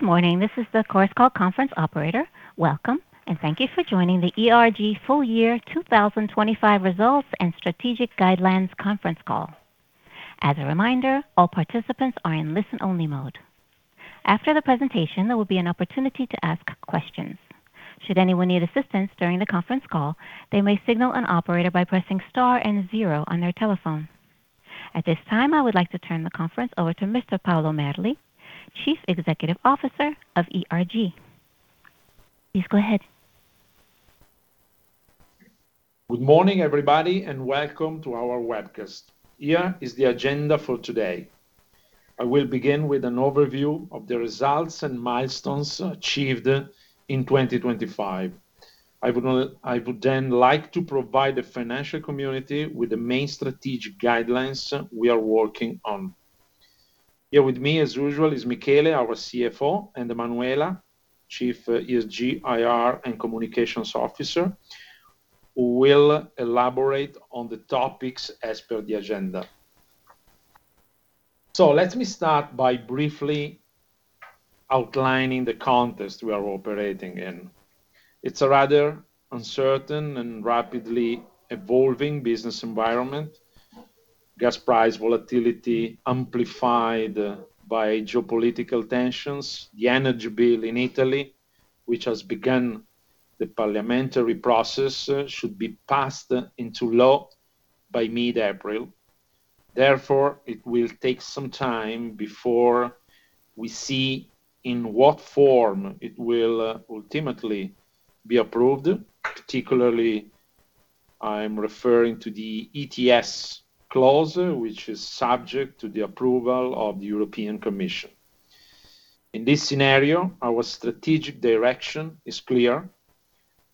Good morning. This is the Chorus Call conference operator. Welcome, and thank you for joining the ERG full year 2025 results and strategic guidelines conference call. As a reminder, all participants are in listen-only mode. After the presentation, there will be an opportunity to ask questions. Should anyone need assistance during the conference call, they may signal an operator by pressing star and zero on their telephone. At this time, I would like to turn the conference over to Mr. Paolo Merli, Chief Executive Officer of ERG. Please go ahead. Good morning, everybody, and welcome to our webcast. Here is the agenda for today. I will begin with an overview of the results and milestones achieved in 2025. I would then like to provide the financial community with the main strategic guidelines we are working on. Here with me, as usual, is Michele, our CFO, and Manuela, Chief ESG, IR, and Communications Officer, who will elaborate on the topics as per the agenda. Let me start by briefly outlining the context we are operating in. It's a rather uncertain and rapidly evolving business environment. Gas price volatility amplified by geopolitical tensions. The energy bill in Italy, which has begun the parliamentary process, should be passed into law by mid-April. Therefore, it will take some time before we see in what form it will ultimately be approved. Particularly, I'm referring to the ETS clause, which is subject to the approval of the European Commission. In this scenario, our strategic direction is clear.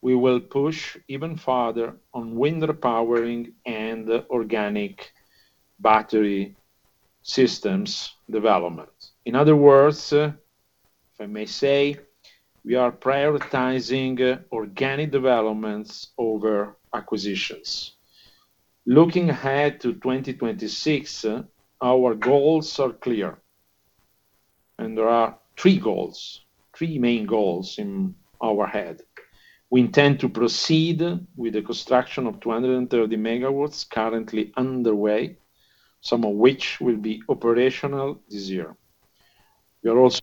We will push even farther on wind repowering and organic battery systems development. In other words, if I may say, we are prioritizing organic developments over acquisitions. Looking ahead to 2026, our goals are clear, and there are three goals, three main goals in our head. We intend to proceed with the construction of 230 MW currently underway, some of which will be operational this year. We are also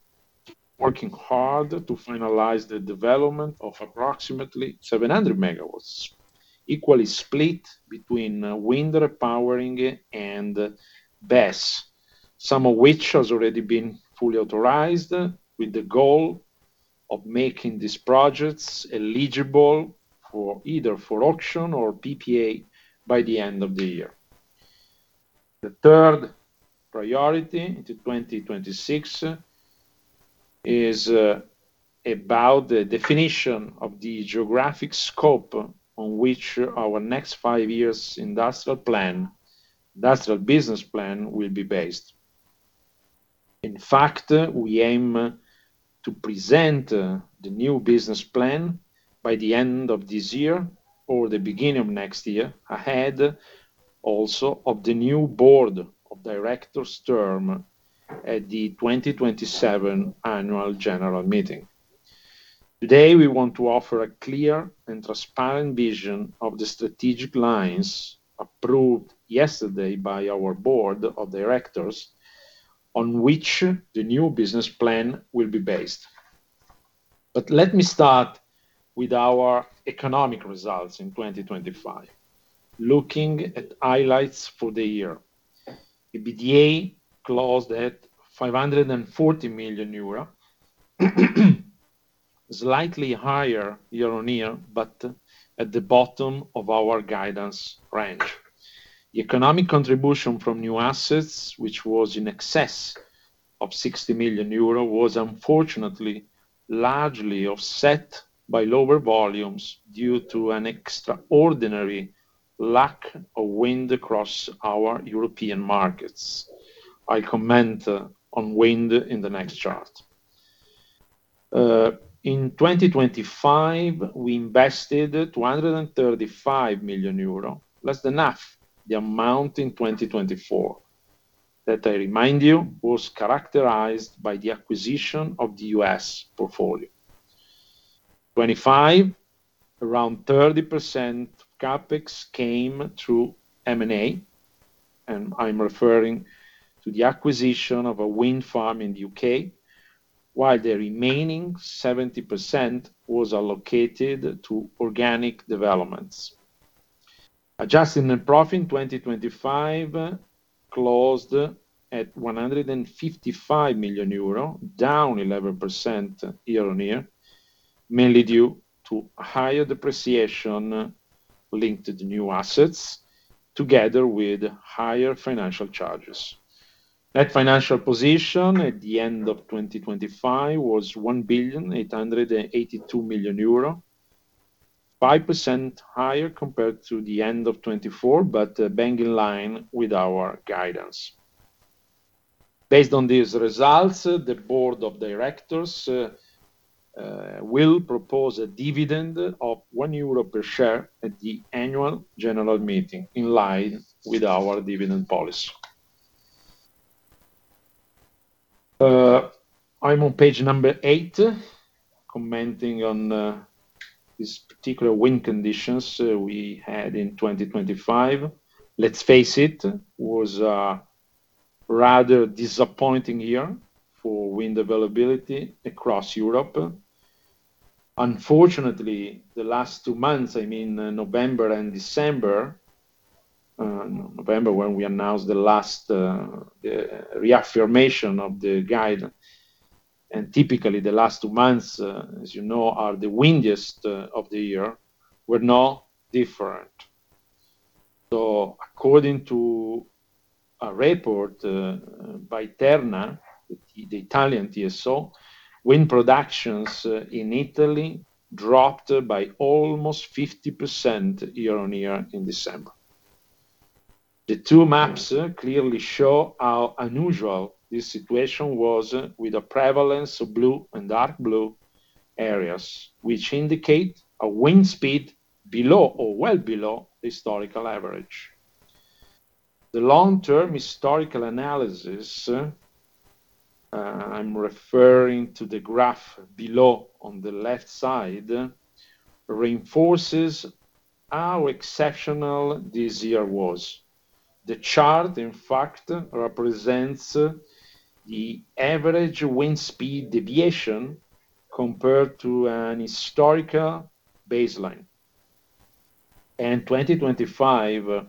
working hard to finalize the development of approximately 700 MW, equally split between wind repowering and BESS, some of which has already been fully authorized with the goal of making these projects eligible for either auction or PPA by the end of the year. The third priority into 2026 is about the definition of the geographic scope on which our next five years industrial plan, industrial business plan will be based. In fact, we aim to present the new business plan by the end of this year or the beginning of next year, ahead also of the new board of directors term at the 2027 annual general meeting. Today, we want to offer a clear and transparent vision of the strategic lines approved yesterday by our board of directors on which the new business plan will be based. Let me start with our economic results in 2025. Looking at highlights for the year. EBITDA closed at 540 million euro, slightly higher year-on-year, but at the bottom of our guidance range. The economic contribution from new assets, which was in excess of 60 million euro, was unfortunately largely offset by lower volumes due to an extraordinary lack of wind across our European markets. I comment on wind in the next chart. In 2025, we invested 235 million euro, less than half the amount in 2024. That, I remind you, was characterized by the acquisition of the U.S. portfolio. 2025, around 30% CapEx came through M&A, and I'm referring to the acquisition of a wind farm in the U.K., while the remaining 70% was allocated to organic developments. Adjusted net profit in 2025 closed at 155 million euro, down 11% year-on-year, mainly due to higher depreciation linked to the new assets together with higher financial charges. Net financial position at the end of 2025 was 1,882 million euro. 5% higher compared to the end of 2024, but bang in line with our guidance. Based on these results, the board of directors, we'll propose a dividend of 1 euro per share at the annual general meeting in line with our dividend policy. I'm on page number eight, commenting on this particular wind conditions we had in 2025. Let's face it, was a rather disappointing year for wind availability across Europe. Unfortunately, the last two months, I mean, November and December. November, when we announced the last reaffirmation of the guide, and typically the last two months, as you know, are the windiest of the year, were no different. According to a report by Terna, the Italian TSO, wind productions in Italy dropped by almost 50% year-on-year in December. The two maps clearly show how unusual this situation was with a prevalence of blue and dark blue areas, which indicate a wind speed below or well below historical average. The long-term historical analysis, I'm referring to the graph below on the left side, reinforces how exceptional this year was. The chart, in fact, represents the average wind speed deviation compared to an historical baseline, and 2025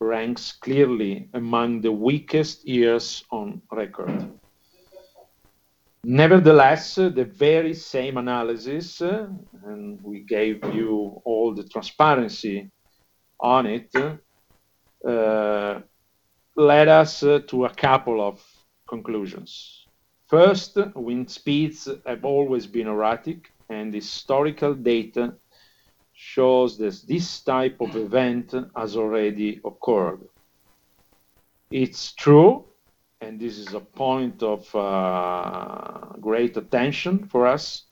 ranks clearly among the weakest years on record. Nevertheless, the very same analysis and we gave you all the transparency on it led us to a couple of conclusions. First, wind speeds have always been erratic, and historical data shows that this type of event has already occurred. It's true, and this is a point of great attention for us,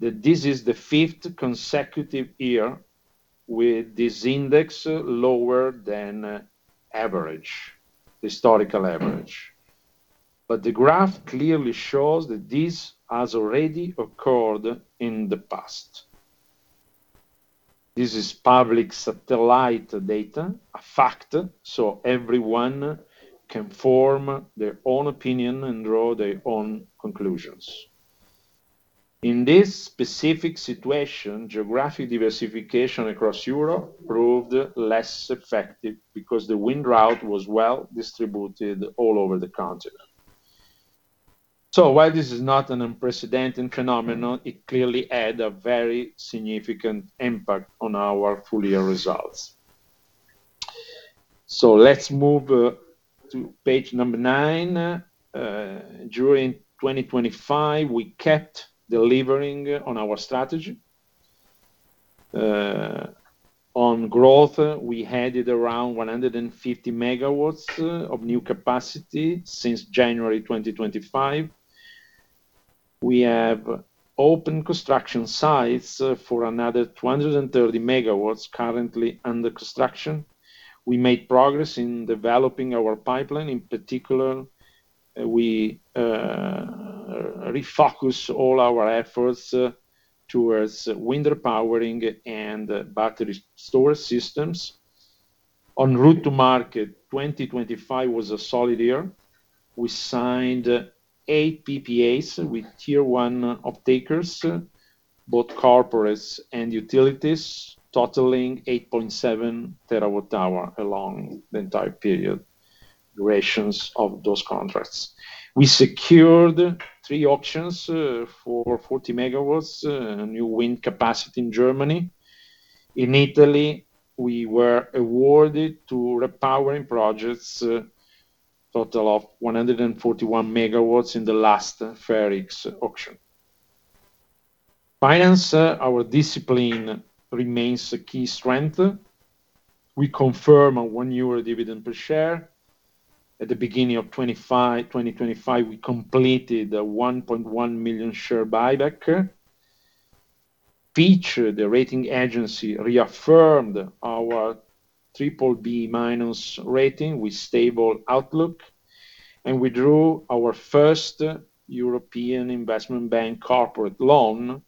that this is the fifth consecutive year with this index lower than average, historical average. The graph clearly shows that this has already occurred in the past. This is public satellite data, a fact, so everyone can form their own opinion and draw their own conclusions. In this specific situation, geographic diversification across Europe proved less effective because the wind drought was well distributed all over the continent. While this is not an unprecedented phenomenon, it clearly had a very significant impact on our full year results. Let's move to page 9. During 2025, we kept delivering on our strategy. On growth, we had it around 150 MW of new capacity since January 2025. We have open construction sites for another 230 MW currently under construction. We made progress in developing our pipeline. In particular, we refocus all our efforts towards wind repowering and battery storage systems. En route to market, 2025 was a solid year. We signed eight PPAs with tier one off-takers, both corporates and utilities, totaling 8.7 TW hours along the entire period durations of those contracts. We secured three options for 40 MW new wind capacity in Germany. In Italy, we were awarded two repowering projects, total of 141 MW in the last FER-E auction. In finance, our discipline remains a key strength. We confirm a 1 euro dividend per share. At the beginning of 2025, we completed a 1.1 million share buyback. Fitch Ratings, the rating agency, reaffirmed our BBB- rating with stable outlook, and we drew our first European Investment Bank corporate loan,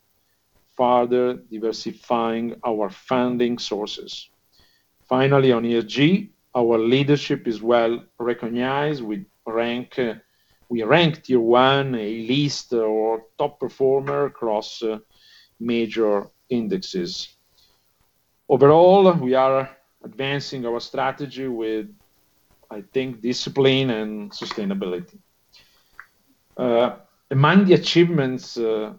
further diversifying our funding sources. Finally, on ESG, our leadership is well-recognized. We rank tier one at least or top performer across major indexes. Overall, we are advancing our strategy with, I think, discipline and sustainability. Among the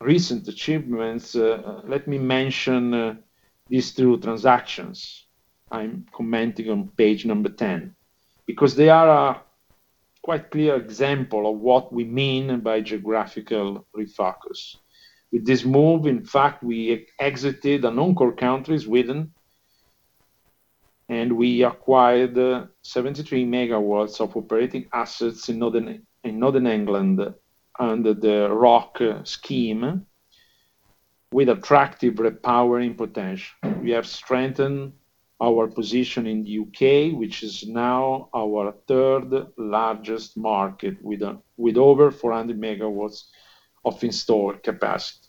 recent achievements, let me mention these two transactions. I'm commenting on page number 10. They are quite a clear example of what we mean by geographical refocus. With this move, in fact, we exited a non-core country, Sweden. And we acquired 73 MW of operating assets in Northern England under the ROC scheme with attractive repowering potential. We have strengthened our position in UK, which is now our third largest market with over 400 MW of installed capacity.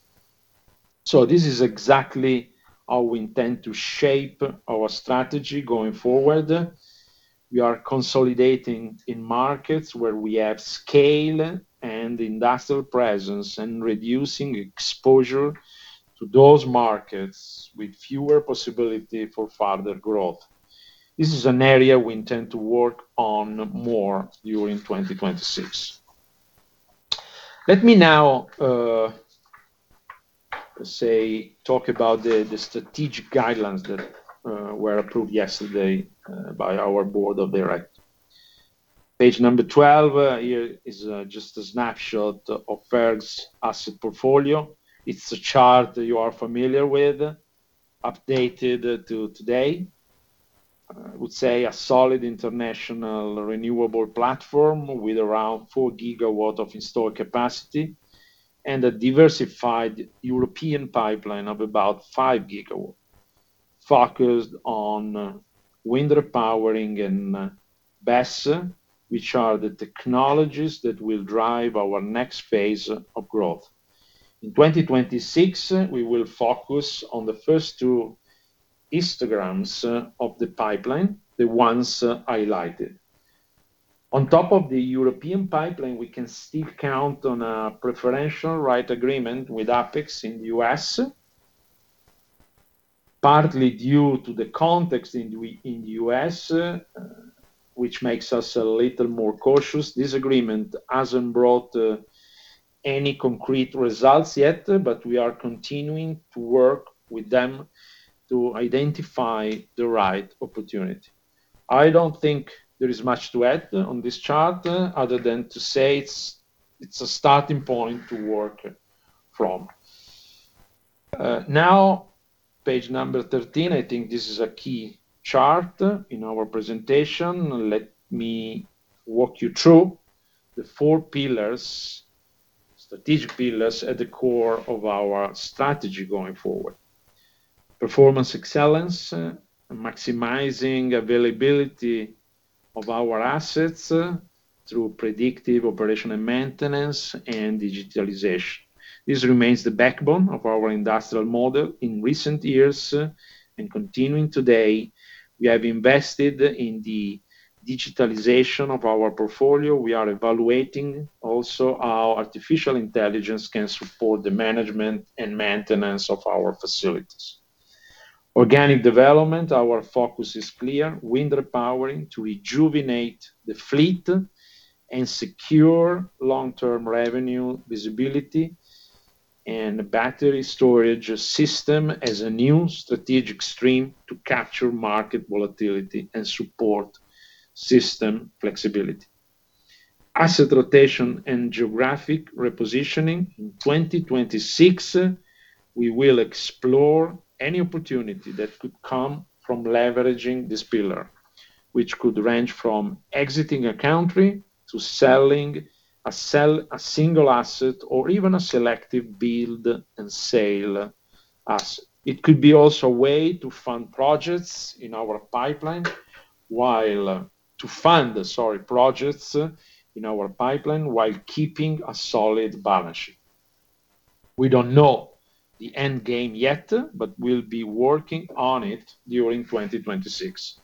This is exactly how we intend to shape our strategy going forward. We are consolidating in markets where we have scale and industrial presence and reducing exposure to those markets with fewer possibility for further growth. This is an area we intend to work on more during 2026. Let me now talk about the strategic guidelines that were approved yesterday by our board of directors. Page number 12, here is just a snapshot of ERG's asset portfolio. It's a chart you are familiar with, updated to today. I would say a solid international renewable platform with around 4 GW of installed capacity and a diversified European pipeline of about 5 GW, focused on wind repowering and BESS, which are the technologies that will drive our next phase of growth. In 2026, we will focus on the first two histograms of the pipeline, the ones highlighted. On top of the European pipeline, we can still count on a preferential right agreement with Apex in the U.S. Partly due to the context in the U.S., which makes us a little more cautious, this agreement hasn't brought any concrete results yet, but we are continuing to work with them to identify the right opportunity. I don't think there is much to add on this chart other than to say it's a starting point to work from. Now page number 13, I think this is a key chart in our presentation. Let me walk you through the four pillars, strategic pillars at the core of our strategy going forward. Performance excellence, maximizing availability of our assets through predictive operation and maintenance and digitalization. This remains the backbone of our industrial model. In recent years, and continuing today, we have invested in the digitalization of our portfolio. We are evaluating also how artificial intelligence can support the management and maintenance of our facilities. Organic development, our focus is clear. Wind repowering to rejuvenate the fleet and secure long-term revenue visibility and battery storage system as a new strategic stream to capture market volatility and support system flexibility. Asset rotation and geographic repositioning. In 2026, we will explore any opportunity that could come from leveraging this pillar, which could range from exiting a country to selling a single asset or even a selective build and sale asset. It could be also a way to fund projects in our pipeline while keeping a solid balance sheet. We don't know the end game yet, but we'll be working on it during 2026.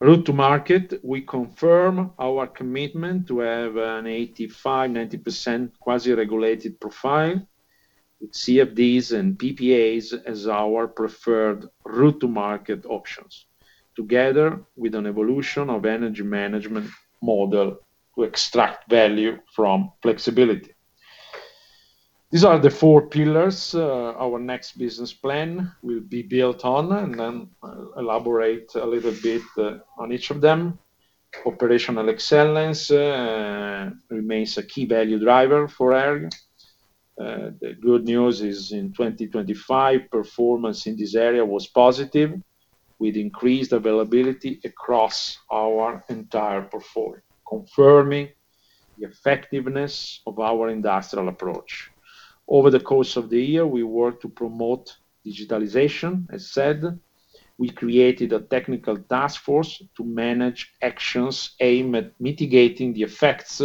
Route to market. We confirm our commitment to have an 85%-90% quasi-regulated profile with CFDs and PPAs as our preferred route to market options, together with an evolution of energy management model to extract value from flexibility. These are the four pillars our next business plan will be built on, and then I'll elaborate a little bit on each of them. Operational excellence remains a key value driver for ERG. The good news is in 2025, performance in this area was positive, with increased availability across our entire portfolio, confirming the effectiveness of our industrial approach. Over the course of the year, we worked to promote digitalization. As said, we created a technical task force to manage actions aimed at mitigating the effects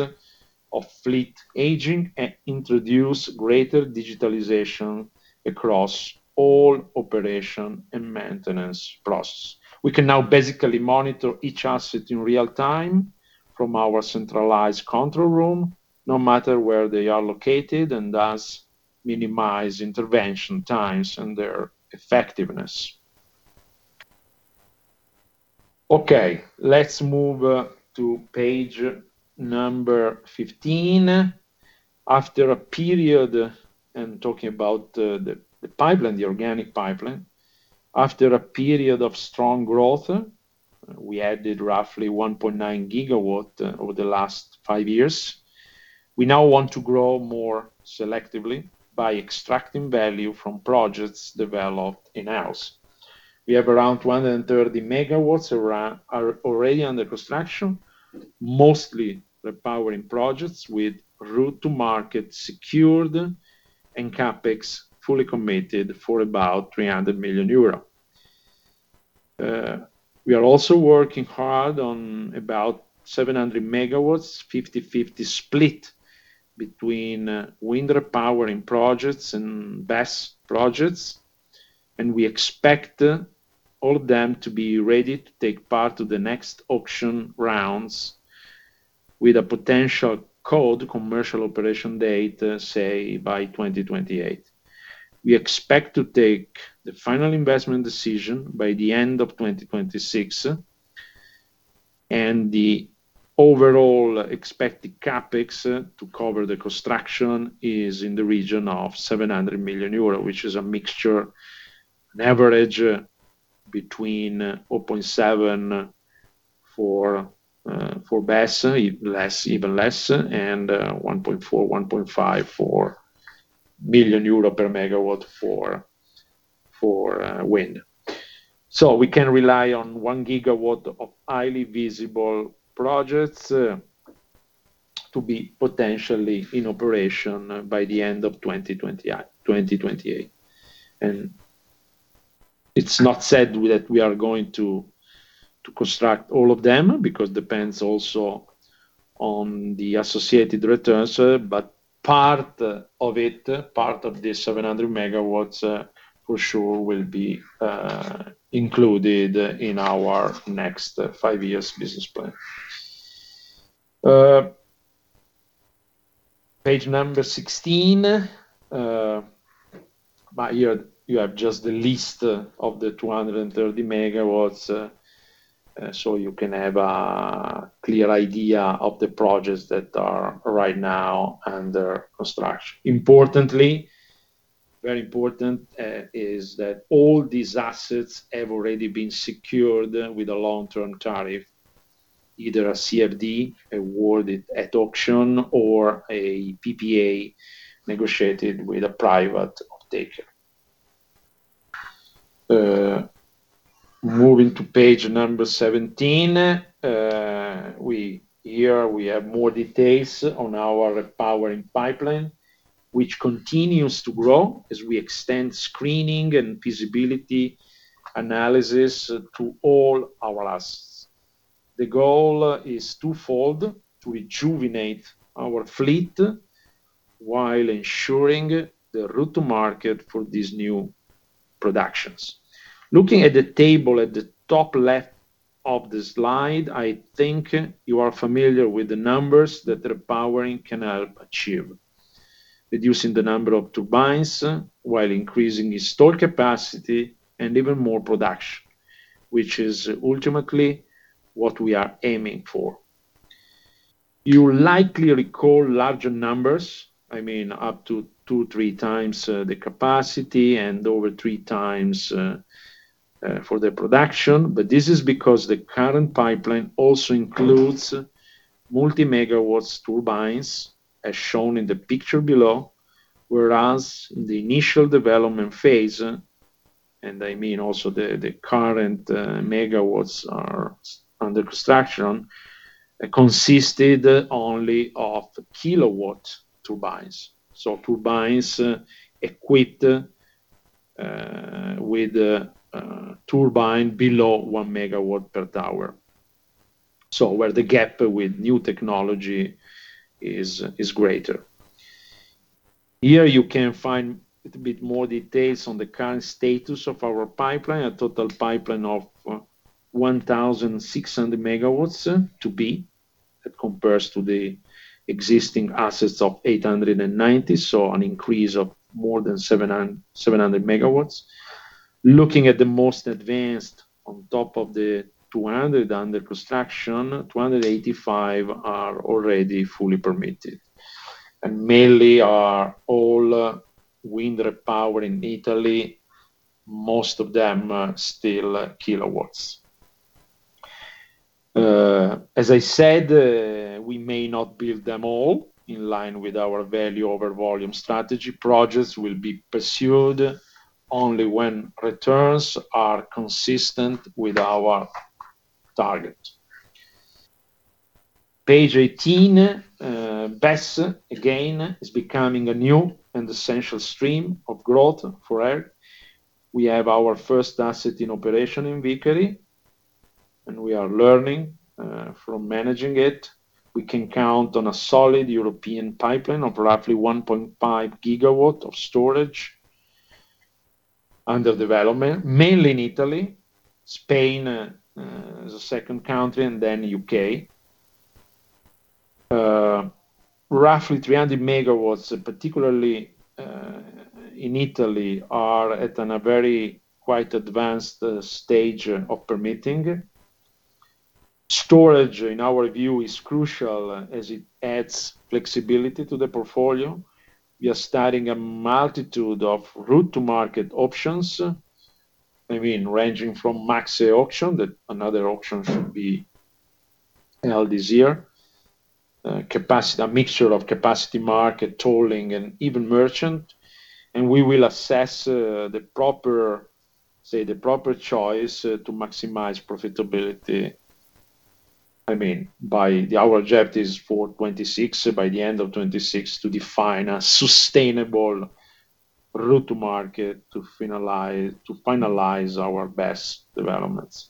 of fleet aging and introduce greater digitalization across all operation and maintenance processes. We can now basically monitor each asset in real-time from our centralized control room, no matter where they are located, and thus minimize intervention times and their effectiveness. Okay, let's move to page 15. I'm talking about the pipeline, the organic pipeline. After a period of strong growth, we added roughly 1.9 GW over the last five years. We now want to grow more selectively by extracting value from projects developed in-house. We have around 130 MW are already under construction, mostly repowering projects with route to market secured and CapEx fully committed for about 300 million euro. We are also working hard on about 700 MW, 50/50 split between, wind repowering projects and BESS projects, and we expect all of them to be ready to take part to the next auction rounds with a potential COD, commercial operation date, say, by 2028. We expect to take the final investment decision by the end of 2026, and the overall expected CapEx to cover the construction is in the region of 700 million euro. Which is a mixture, an average between 4.7 for BESS, less, even less, and 1.4-1.5 million euro per megawatt for wind. We can rely on 1 GW of highly visible projects to be potentially in operation by the end of 2028. It's not said that we are going to construct all of them because it depends also on the associated returns, but part of the 700 MW for sure will be included in our next five years business plan. Page 16, right here you have just the list of the 230 MW, so you can have a clear idea of the projects that are right now under construction. Importantly, very important, is that all these assets have already been secured with a long-term tariff, either a CFD awarded at auction or a PPA negotiated with a private offtaker. Moving to page 17, here we have more details on our repowering pipeline, which continues to grow as we extend screening and feasibility analysis to all our assets. The goal is twofold to rejuvenate our fleet while ensuring the route to market for these new productions. Looking at the table at the top left of the slide, I think you are familiar with the numbers that repowering can help achieve, reducing the number of turbines while increasing the stored capacity and even more production, which is ultimately what we are aiming for. You likely recall larger numbers, I mean, up to two three times the capacity and over three times for the production. This is because the current pipeline also includes multi-megawatt turbines, as shown in the picture below, whereas the initial development phase, and I mean also the current megawatts are under construction, consisted only of kilowatt turbines. Turbines equipped with a turbine below 1 MW per tower, so where the gap with new technology is greater. Here you can find a bit more details on the current status of our pipeline, a total pipeline of 1,600 MW to be. That compares to the existing assets of 890, so an increase of more than 700 MW. Looking at the most advanced on top of the 200 under construction, 285 are already fully permitted and mainly are all wind repowering in Italy, most of them are still kilowatts. As I said, we may not build them all in line with our value over volume strategy. Projects will be pursued only when returns are consistent with our target. Page eighteen. BESS again is becoming a new and essential stream of growth for ERG. We have our first asset in operation in Vicari, and we are learning from managing it. We can count on a solid European pipeline of roughly 1.5 GW of storage under development, mainly in Italy, Spain, as a second country, and then UK. Roughly 300 MW, particularly in Italy, are at a very quite advanced stage of permitting. Storage, in our view, is crucial as it adds flexibility to the portfolio. We are starting a multitude of route to market options, maybe in ranging from MASE auction, that another option should be held this year. A mixture of capacity market tolling and even merchant. We will assess the proper choice to maximize profitability. I mean, our objective is for 2026, by the end of 2026, to define a sustainable route to market to finalize our BESS developments.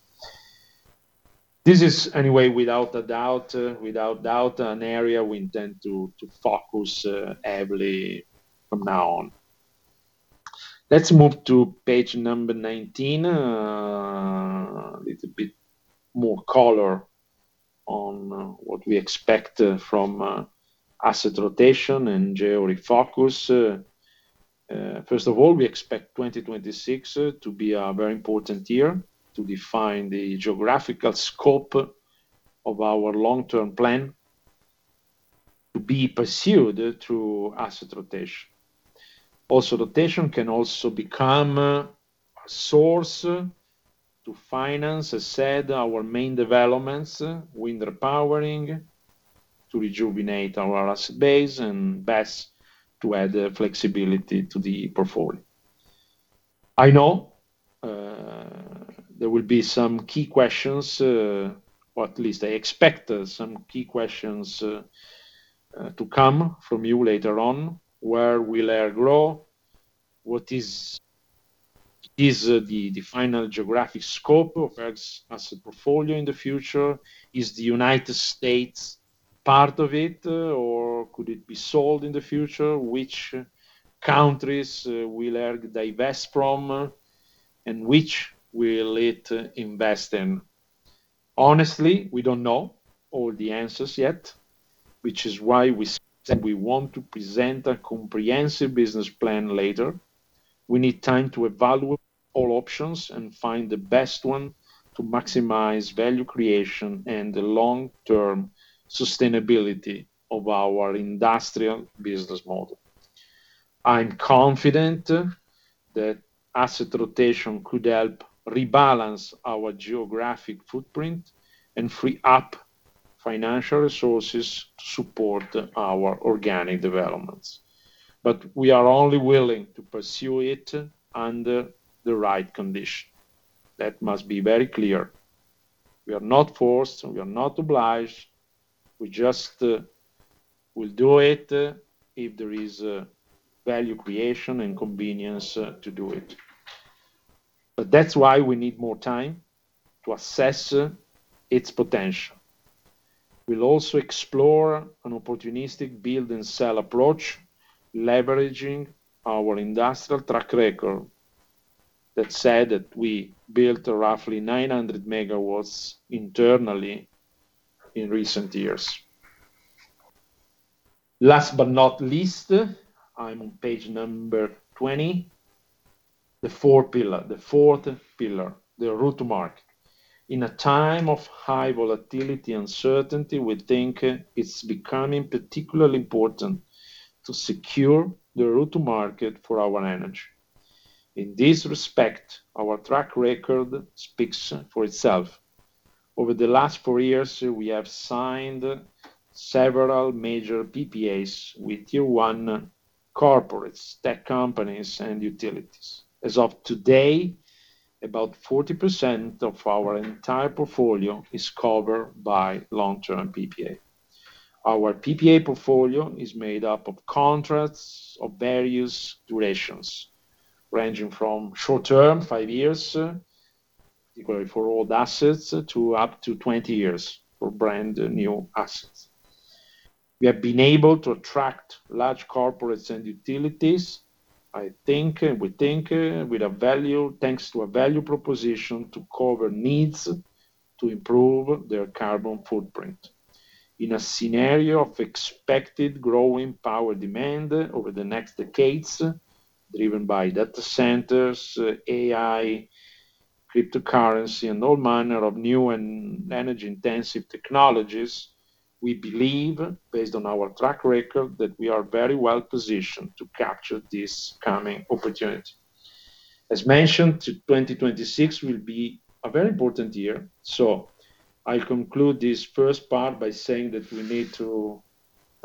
This is anyway, without a doubt, an area we intend to focus heavily from now on. Let's move to page number 19. Little bit more color on what we expect from asset rotation and geographic focus. First of all, we expect 2026 to be a very important year to define the geographical scope of our long-term plan to be pursued through asset rotation. Also, rotation can also become a source to finance, as said, our main developments, wind repowering, to rejuvenate our asset base and BESS to add flexibility to the portfolio. I know there will be some key questions or at least I expect some key questions to come from you later on. Where will ERG grow? What is the final geographic scope of ERG's asset portfolio in the future? Is the United States part of it or could it be sold in the future? Which countries will ERG divest from, and which will it invest in? Honestly, we don't know all the answers yet, which is why we said we want to present a comprehensive business plan later. We need time to evaluate all options and find the best one to maximize value creation and the long-term sustainability of our industrial business model. I'm confident that asset rotation could help rebalance our geographic footprint and free up financial resources to support our organic developments. We are only willing to pursue it under the right condition. That must be very clear. We are not forced, and we are not obliged. We just will do it if there is a value creation and convenience to do it. That's why we need more time to assess its potential. We'll also explore an opportunistic build-and-sell approach, leveraging our industrial track record. That said, we built roughly 900 MW internally in recent years. Last but not least, I'm on page number 20. The fourth pillar, the route to market. In a time of high volatility and uncertainty, we think it's becoming particularly important to secure the route to market for our energy. In this respect, our track record speaks for itself. Over the last four years, we have signed several major PPAs with tier one corporates, tech companies and utilities. As of today, about 40% of our entire portfolio is covered by long-term PPAs. Our PPA portfolio is made up of contracts of various durations, ranging from short-term, five years, equally for old assets, to up to 20 years for brand new assets. We have been able to attract large corporates and utilities. I think. We think, thanks to a value proposition to cover needs to improve their carbon footprint. In a scenario of expected growing power demand over the next decades, driven by data centers, AI, cryptocurrency, and all manner of new and energy-intensive technologies, we believe, based on our track record, that we are very well positioned to capture this coming opportunity. As mentioned, 2026 will be a very important year. I conclude this first part by saying that we need to,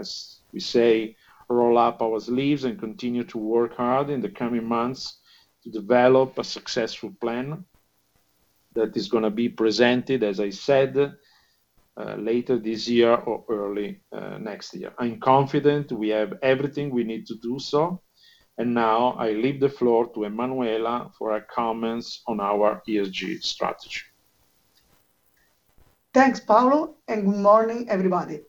as we say, roll up our sleeves and continue to work hard in the coming months to develop a successful plan that is gonna be presented, as I said, later this year or early next year. I'm confident we have everything we need to do so. Now I leave the floor to Emanuela for her comments on our ESG strategy. Thanks, Paolo, and good morning, everybody.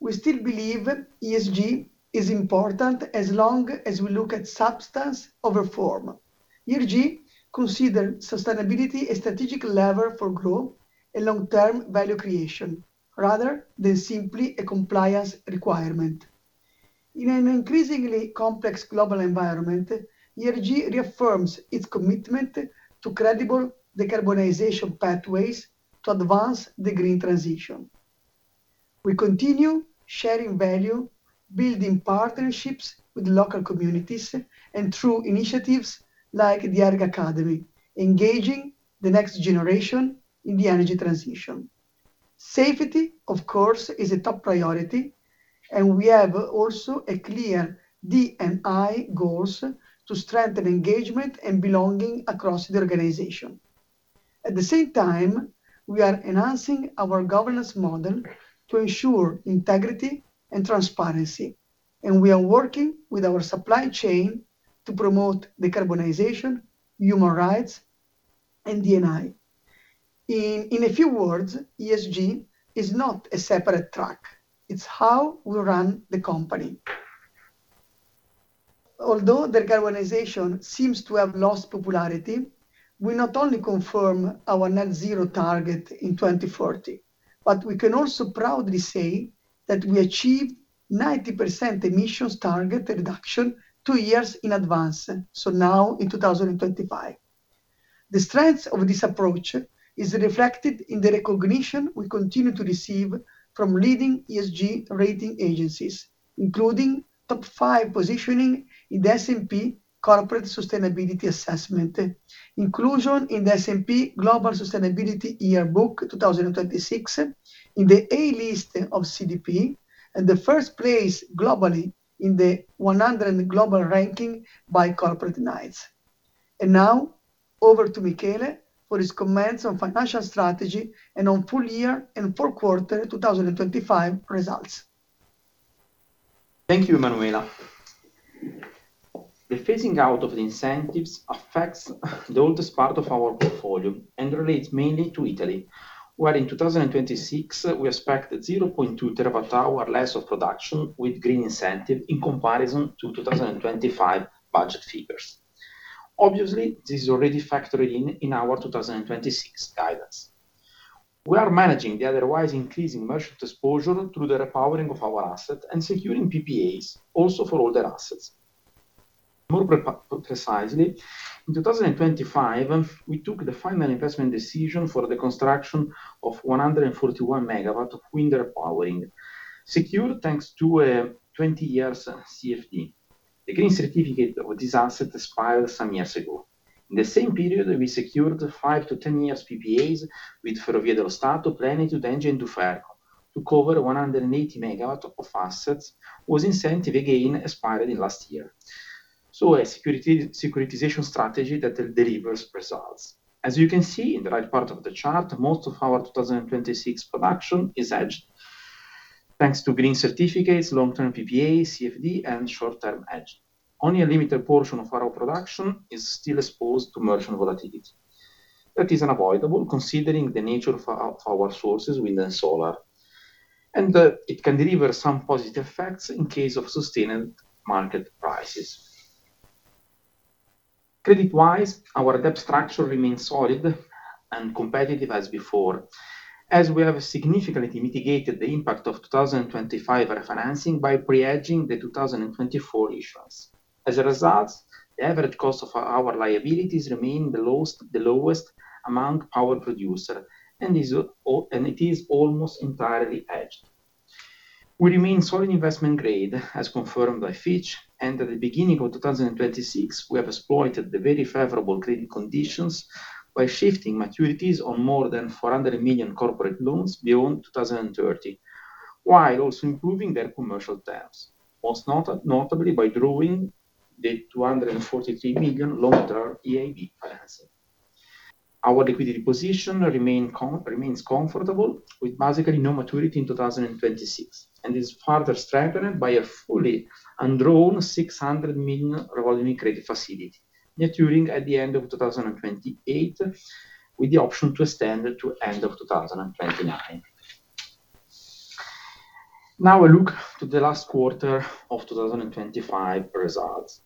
We still believe ESG is important as long as we look at substance over form. We consider sustainability a strategic lever for growth and long-term value creation rather than simply a compliance requirement. In an increasingly complex global environment, ERG reaffirms its commitment to credible decarbonization pathways to advance the green transition. We continue sharing value, building partnerships with local communities and through initiatives like the ERG Academy, engaging the next generation in the energy transition. Safety, of course, is a top priority, and we have also a clear D&I goals to strengthen engagement and belonging across the organization. At the same time, we are enhancing our governance model to ensure integrity and transparency, and we are working with our supply chain to promote decarbonization, human rights and D&I. In a few words, ESG is not a separate track, it's how we run the company. Although decarbonization seems to have lost popularity, we not only confirm our Net Zero target in 2040, but we can also proudly say that we achieved 90% emissions target reduction two years in advance, so now in 2025. The strength of this approach is reflected in the recognition we continue to receive from leading ESG rating agencies, including top five positioning in the S&P Global Corporate Sustainability Assessment, inclusion in the S&P Global Sustainability Yearbook 2026, in the A list of CDP and the first place globally in the Global 100 ranking by Corporate Knights. Now over to Michele for his comments on financial strategy and on full year and fourth quarter 2025 results. Thank you, Emanuela. The phasing out of the incentives affects the oldest part of our portfolio and relates mainly to Italy, where in 2026 we expect 0.2 TWh less of production with green incentive in comparison to 2025 budget figures. Obviously, this is already factored in in our 2026 guidance. We are managing the otherwise increasing merchant exposure through the repowering of our asset and securing PPAs also for older assets. More precisely, in 2025, we took the final investment decision for the construction of 141 MW of wind repowering, secured thanks to a 20-year CFD. The green certificate of this asset expired some years ago. In the same period, we secured 5-10 year PPAs with Ferrovie dello Stato, Plenitude, Engie and Duferco to cover 180 MW of assets whose incentive again expired last year. A securitization strategy that delivers results. As you can see in the right part of the chart, most of our 2026 production is hedged thanks to green certificates, long-term PPA, CFD and short-term hedge. Only a limited portion of our production is still exposed to merchant volatility. That is unavoidable considering the nature of our sources, wind and solar, and it can deliver some positive effects in case of sustained market prices. Credit-wise, our debt structure remains solid and competitive as before, as we have significantly mitigated the impact of 2025 refinancing by pre-hedging the 2024 issues. As a result, the average cost of our liabilities remains the lowest among power producers and it is almost entirely hedged. We remain solid investment grade, as confirmed by Fitch, and at the beginning of 2026, we have exploited the very favorable credit conditions by shifting maturities on more than 400 million corporate loans beyond 2030, while also improving their commercial terms, most notably by drawing the 243 million long-term EIB financing. Our liquidity position remains comfortable with basically no maturity in 2026, and is further strengthened by a fully undrawn 600 million revolving credit facility maturing at the end of 2028, with the option to extend it to end of 2029. Now a look to the last quarter of 2025 results.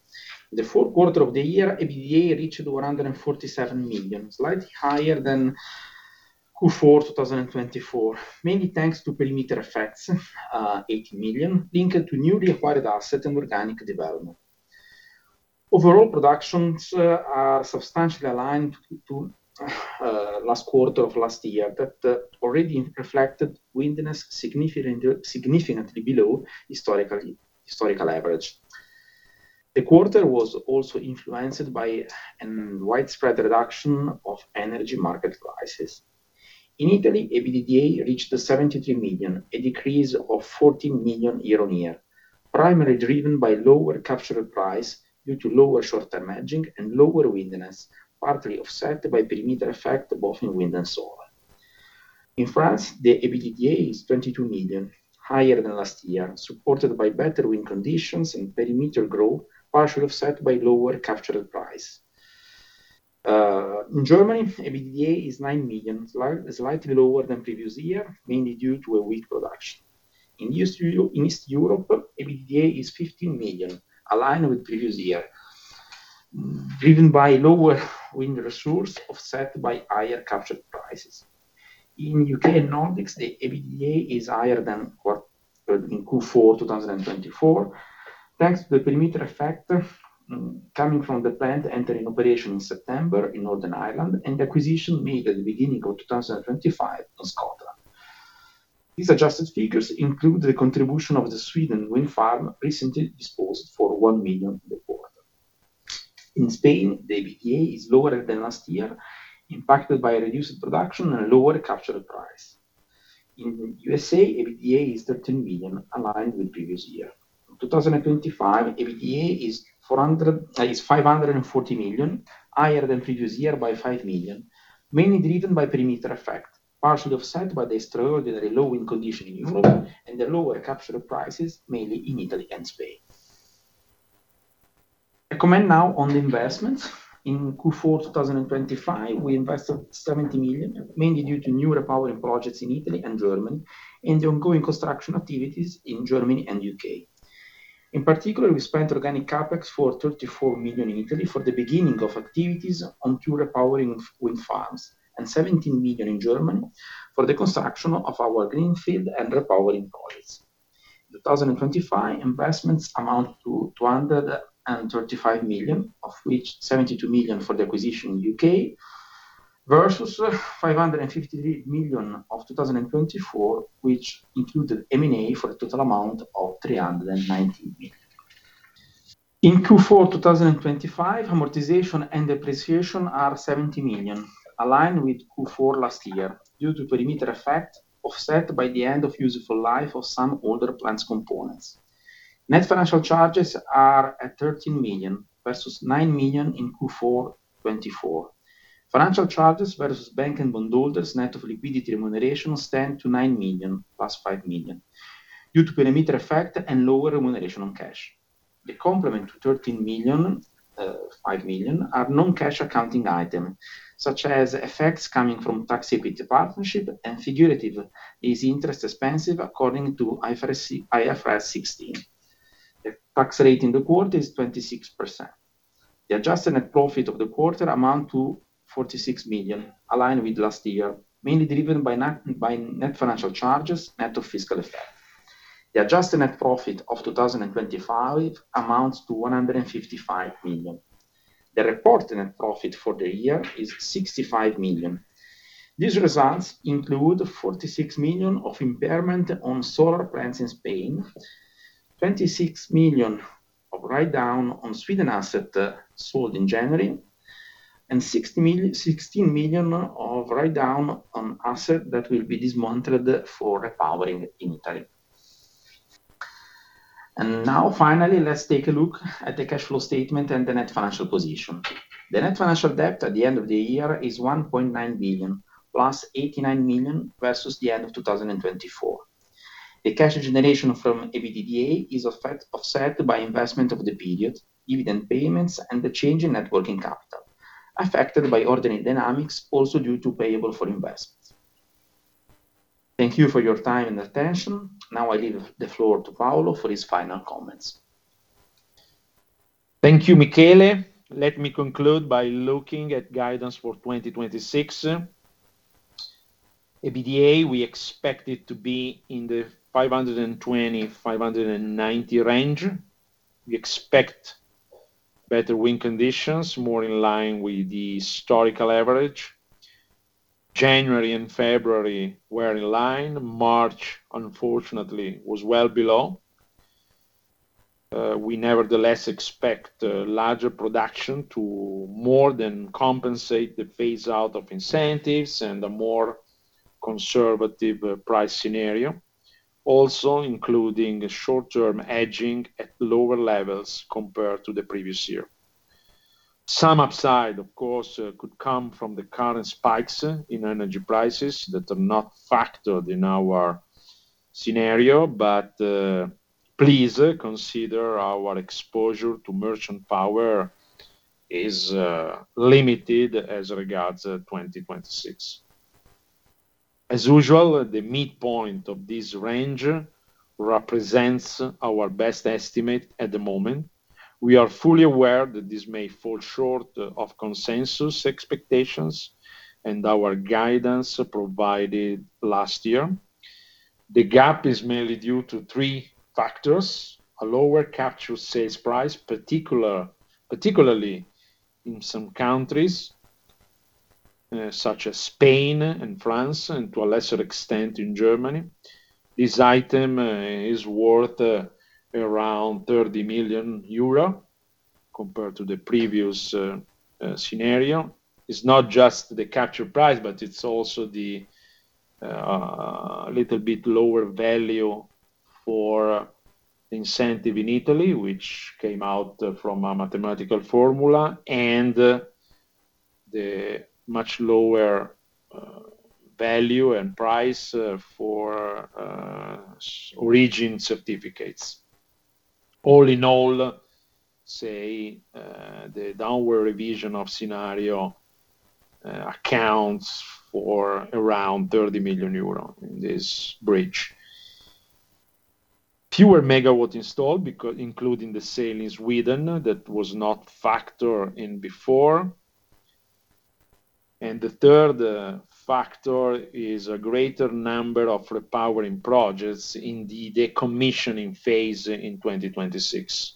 The fourth quarter of the year, EBITDA reached 147 million, slightly higher than Q4 2024, mainly thanks to perimeter effects, 80 million, linked to newly acquired assets and organic development. Overall productions are substantially aligned to last quarter of last year that already reflected windiness significantly below historical average. The quarter was also influenced by a widespread reduction of energy market prices. In Italy, EBITDA reached 73 million, a decrease of 14 million year on year, primarily driven by lower captured price due to lower short-term hedging and lower windiness, partly offset by perimeter effect both in wind and solar. In France, the EBITDA is 22 million, higher than last year, supported by better wind conditions and perimeter growth, partially offset by lower captured price. In Germany, EBITDA is 9 million, slightly lower than previous year, mainly due to a weak production. In East Europe, EBITDA is 15 million, aligned with previous year. Driven by lower wind resource offset by higher captured prices. In UK and Nordics, the EBITDA is higher than in Q4 2024, thanks to the perimeter effect, coming from the plant entering operation in September in Northern Ireland and the acquisition made at the beginning of 2025 in Scotland. These adjusted figures include the contribution of the Sweden wind farm recently disposed for 1 million in the quarter. In Spain, the EBITDA is lower than last year, impacted by reduced production and lower captured price. In USA, EBITDA is $13 million, aligned with previous year. 2025, EBITDA is 400... Is 540 million, higher than previous year by 5 million, mainly driven by perimeter effect, partially offset by the extraordinarily low wind condition in Europe and the lower captured prices, mainly in Italy and Spain. A comment now on the investments. In Q4 2025, we invested 70 million, mainly due to new repowering projects in Italy and Germany and the ongoing construction activities in Germany and U.K. In particular, we spent organic CapEx for 34 million in Italy for the beginning of activities on two repowering of wind farms, and 17 million in Germany for the construction of our greenfield and repowering projects. 2025 investments amount to 235 million, of which 72 million for the acquisition in UK, versus 550 million of 2024, which included M&A for a total amount of 390 million. In Q4 2025, amortization and depreciation are 70 million, aligned with Q4 last year due to perimeter effect offset by the end of useful life of some older plants' components. Net financial charges are at 13 million versus 9 million in Q4 2024. Financial charges to bank and bondholders, net of liquidity remuneration stand to 9 million, plus 5 million due to perimeter effect and lower remuneration on cash. The complement to 13 million, five million are non-cash accounting items, such as effects coming from tax equity partnership and finance lease interest expense according to IFRS 16. The tax rate in the quarter is 26%. The adjusted net profit of the quarter amount to 46 million, aligned with last year, mainly driven by net financial charges, net of fiscal effect. The adjusted net profit of 2025 amounts to 155 million. The reported net profit for the year is 65 million. These results include 46 million of impairment on solar plants in Spain, 26 million of write-down on Swedish asset, sold in January, and 16 million of write-down on asset that will be dismantled for repowering in Italy. Now, finally, let's take a look at the cash flow statement and the net financial position. The net financial debt at the end of the year is 1.9 billion plus 89 million versus the end of 2024. The cash generation from EBITDA is offset by investment of the period, dividend payments and the change in net working capital, affected by ordinary dynamics also due to payable for investments. Thank you for your time and attention. Now I give the floor to Paolo for his final comments. Thank you, Michele. Let me conclude by looking at guidance for 2026. EBITDA, we expect it to be in the 520-590 range. We expect better wind conditions, more in line with the historical average. January and February were in line. March, unfortunately, was well below. We nevertheless expect larger production to more than compensate the phase out of incentives and a more conservative price scenario. Also, including short-term hedging at lower levels compared to the previous year. Some upside, of course, could come from the current spikes in energy prices that are not factored in our scenario, but please consider our exposure to merchant power is limited as regards 2026. As usual, the midpoint of this range represents our best estimate at the moment. We are fully aware that this may fall short of consensus expectations and our guidance provided last year. The gap is mainly due to three factors: a lower captured sales price, particularly in some countries, such as Spain and France, and to a lesser extent in Germany. This item is worth around 30 million euro compared to the previous scenario. It's not just the captured price, but it's also the little bit lower value for incentive in Italy, which came out from a mathematical formula, and the much lower value and price for Guarantees of Origin. All in all, the downward revision of scenario accounts for around 30 million euros in this bridge. Fewer MW installed, including the sale in Sweden that was not factored in before. The third factor is a greater number of repowering projects in the decommissioning phase in 2026,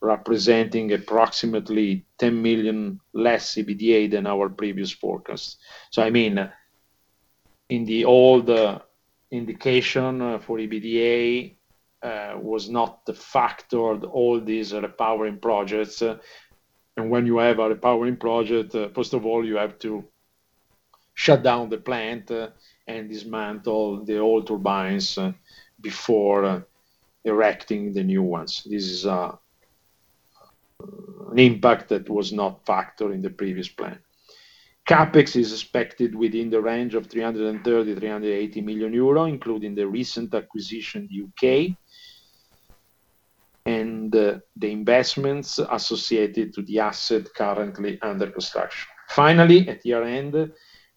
representing approximately 10 million less EBITDA than our previous forecast. I mean, in the old indication for EBITDA was not the factor of all these repowering projects. When you have a repowering project, first of all, you have to shut down the plant, and dismantle the old turbines, before erecting the new ones. This is an impact that was not factored in the previous plan. CapEx is expected within the range of 330 million-380 million euro, including the recent acquisition UK and the investments associated to the asset currently under construction. Finally, at year-end,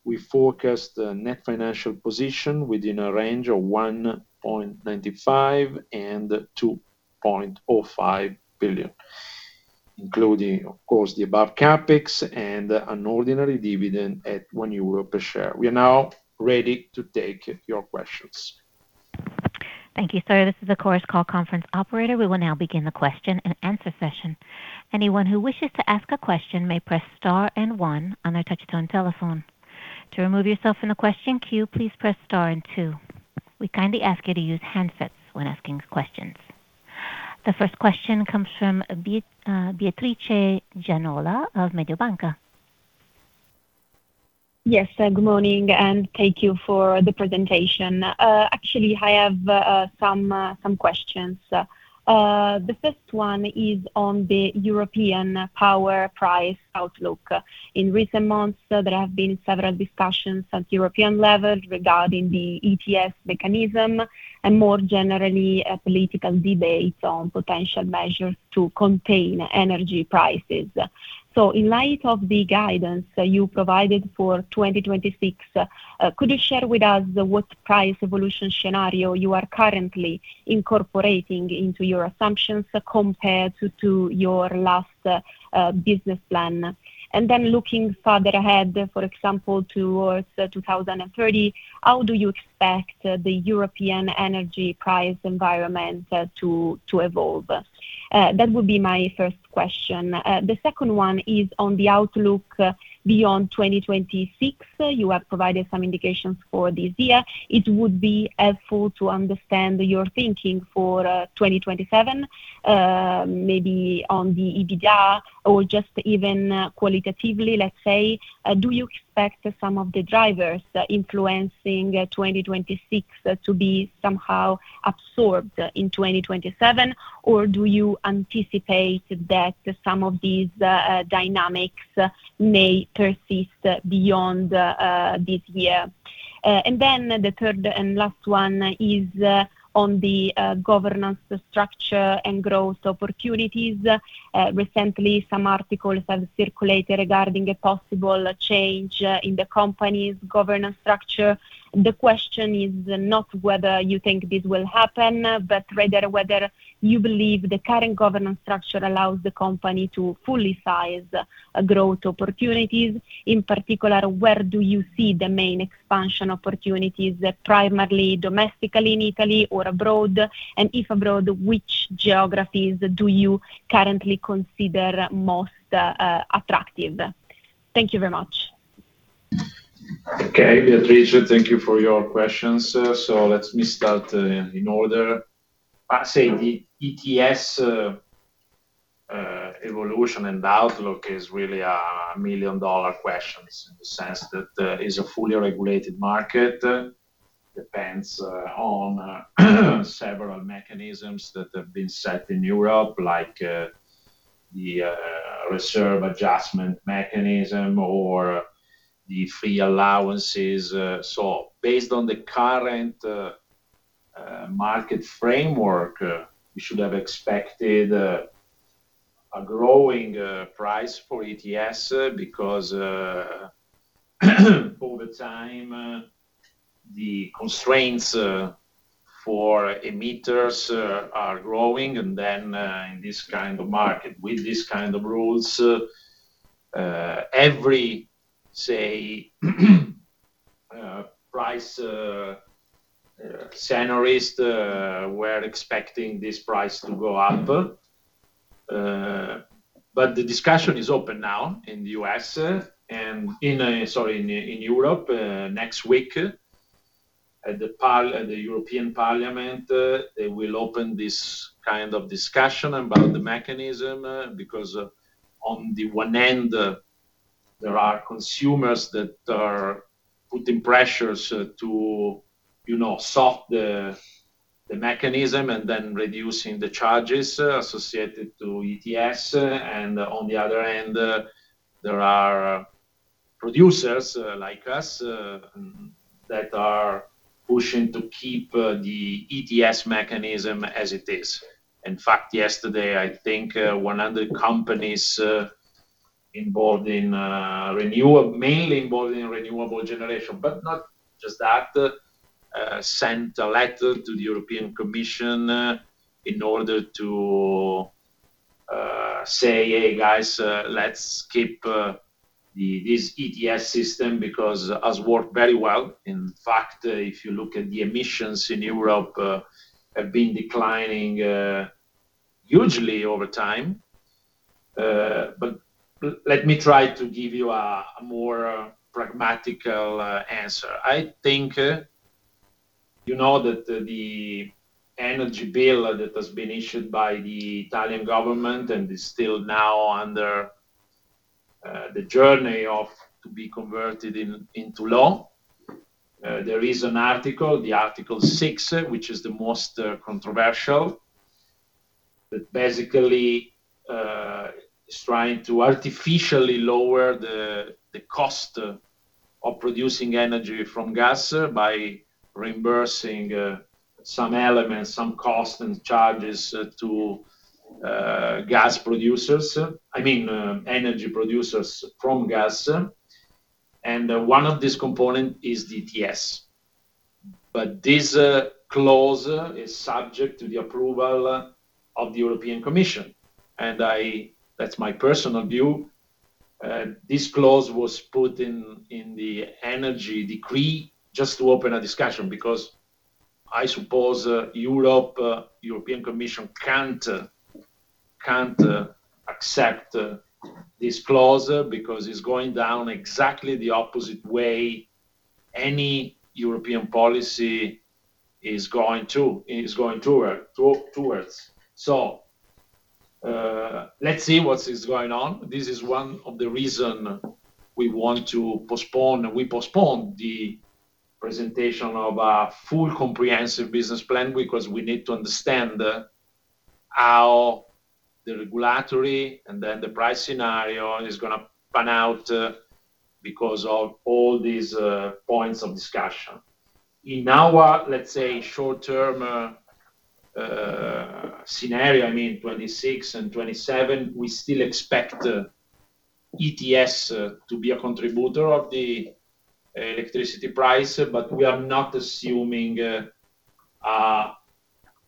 we forecast a net financial position within a range of 1.95 billion-2.05 billion, including of course, the above CapEx and an ordinary dividend at 1 euro per share. We are now ready to take your questions. Thank you, sir. This is the Chorus Call conference operator. We will now begin the question and answer session. Anyone who wishes to ask a question may press star and one on their touchtone telephone. To remove yourself from the question queue, please press star and two. We kindly ask you to use handsets when asking questions. The first question comes from Beatrice Gianola of Mediobanca. Yes, good morning and thank you for the presentation. Actually, I have some questions. The first one is on the European power price outlook. In recent months, there have been several discussions at European levels regarding the ETS mechanism and more generally, a political debate on potential measures to contain energy prices. In light of the guidance you provided for 2026, could you share with us what price evolution scenario you are currently incorporating into your assumptions compared to your last business plan? Looking further ahead, for example, towards 2030, how do you expect the European energy price environment to evolve? That would be my first question. The second one is on the outlook beyond 2026. You have provided some indications for this year. It would be helpful to understand your thinking for 2027, maybe on the EBITDA or just even qualitatively, let's say. Do you expect some of the drivers influencing 2026 to be somehow absorbed in 2027? Or do you anticipate that some of these dynamics may persist beyond this year? The third and last one is on the governance structure and growth opportunities. Recently, some articles have circulated regarding a possible change in the company's governance structure. The question is not whether you think this will happen, but rather whether you believe the current governance structure allows the company to fully seize growth opportunities. In particular, where do you see the main expansion opportunities, primarily domestically in Italy or abroad? If abroad, which geographies do you currently consider most attractive? Thank you very much. Okay. Beatrice, thank you for your questions. Let me start in order. So the ETS evolution and the outlook is really a million-dollar question in the sense that it's a fully regulated market. It depends on several mechanisms that have been set in Europe, like the reserve adjustment mechanism or the free allowances. Based on the current market framework, we should have expected a growing price for ETS because over time the constraints for emitters are growing. In this kind of market, with this kind of rules, every price scenario, we're expecting this price to go up. The discussion is open now in Europe next week at the European Parliament. They will open this kind of discussion about the mechanism because on the one end, there are consumers that are putting pressures to, you know, soften the mechanism and then reducing the charges associated to ETS. On the other end, there are producers like us that are pushing to keep the ETS mechanism as it is. In fact, yesterday, I think, one of the companies involved in renewables, mainly involved in renewable generation, but not just that, sent a letter to the European Commission in order to say, "Hey, guys, let's keep this ETS system because it has worked very well." In fact, if you look at the emissions in Europe, have been declining hugely over time. Let me try to give you a more pragmatic answer. I think, you know that the energy bill that has been issued by the Italian government and is still now under the journey to be converted into law, there is an article, the Article 6, which is the most controversial, that basically is trying to artificially lower the cost of producing energy from gas by reimbursing some elements, some costs and charges to gas producers. I mean, energy producers from gas. One of this component is ETS. But this clause is subject to the approval of the European Commission. That's my personal view. This clause was put in the Energy Decree just to open a discussion because I suppose European Commission can't accept this clause because it's going down exactly the opposite way any European policy is going to, is going towards. Let's see what is going on. This is one of the reason we want to postpone, we postponed the presentation of our full comprehensive business plan because we need to understand how the regulatory and then the price scenario is gonna pan out because of all these points of discussion. In our, let's say, short-term scenario, I mean, 2026 and 2027, we still expect ETS to be a contributor of the electricity price, but we are not assuming a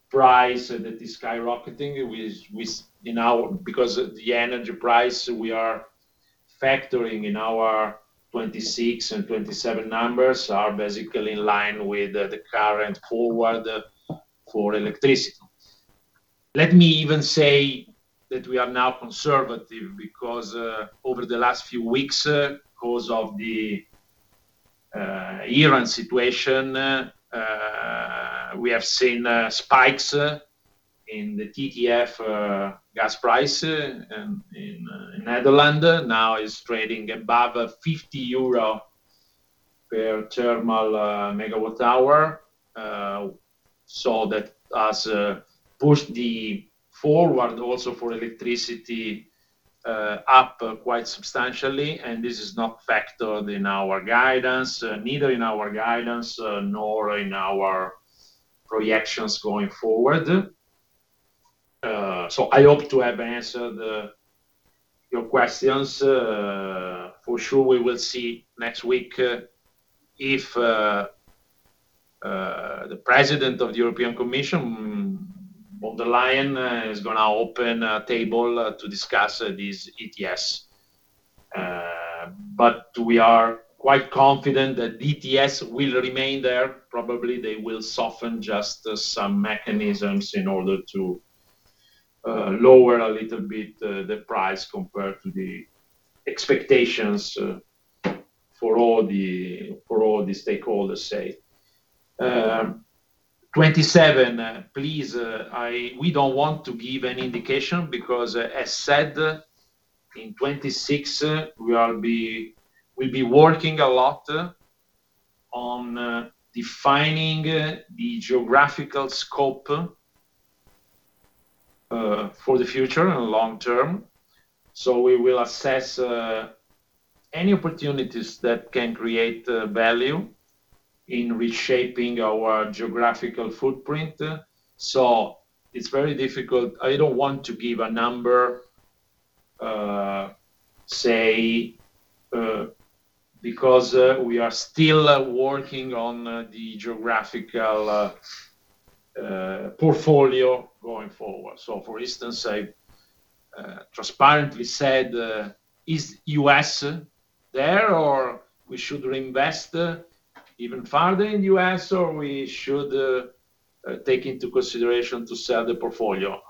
price that is skyrocketing. In our The energy price we are factoring in our 2026 and 2027 numbers are basically in line with the current forward for electricity. Let me even say that we are now conservative because over the last few weeks because of the Iran situation we have seen spikes in the TTF gas price in the Netherlands now is trading above 50 euro per thermal megawatt-hour. That has pushed the forward also for electricity up quite substantially, and this is not factored in our guidance nor in our projections going forward. I hope to have answered your questions. For sure we will see next week if the President of the European Commission, von der Leyen, is gonna open a table to discuss this ETS. We are quite confident that ETS will remain there. Probably they will soften just some mechanisms in order to lower a little bit the price compared to the expectations for all the stakeholders' sake. 2027, please. We don't want to give any indication because, as said, in 2026, we'll be working a lot on defining the geographical scope for the future and long term. We will assess any opportunities that can create value in reshaping our geographical footprint. It's very difficult. I don't want to give a number, say, because we are still working on the geographical portfolio going forward. For instance, I transparently said, is US there or we should invest even further in US or we should take into consideration to sell the portfolio?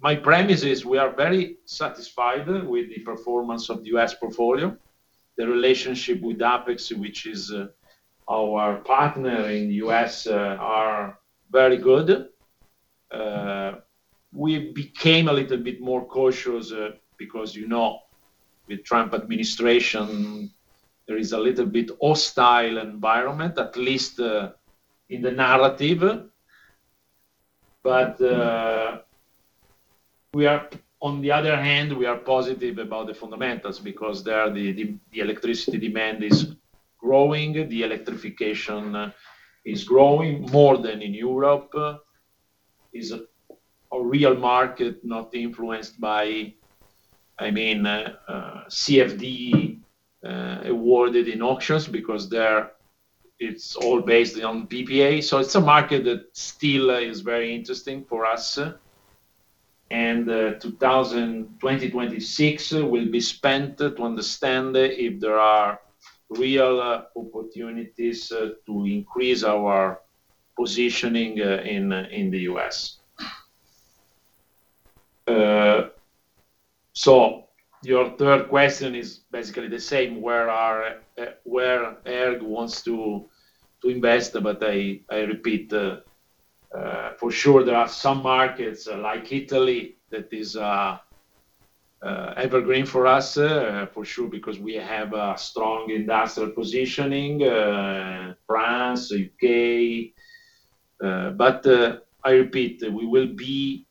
My premise is we are very satisfied with the performance of the US portfolio. The relationship with Apex, which is our partner in the US, are very good. We became a little bit more cautious because, you know, with Trump administration, there is a little bit hostile environment, at least in the narrative. We are... On the other hand, we are positive about the fundamentals because the electricity demand is growing, the electrification is growing more than in Europe. It's a real market not influenced by, I mean, CFD awarded in auctions. It's all based on PPA. It's a market that still is very interesting for us. 2020-2026 will be spent to understand if there are real opportunities to increase our positioning in the US. Your third question is basically the same. Where ERG wants to invest, but I repeat, for sure there are some markets like Italy that is evergreen for us, for sure, because we have a strong industrial positioning. France, UK. I repeat, we will be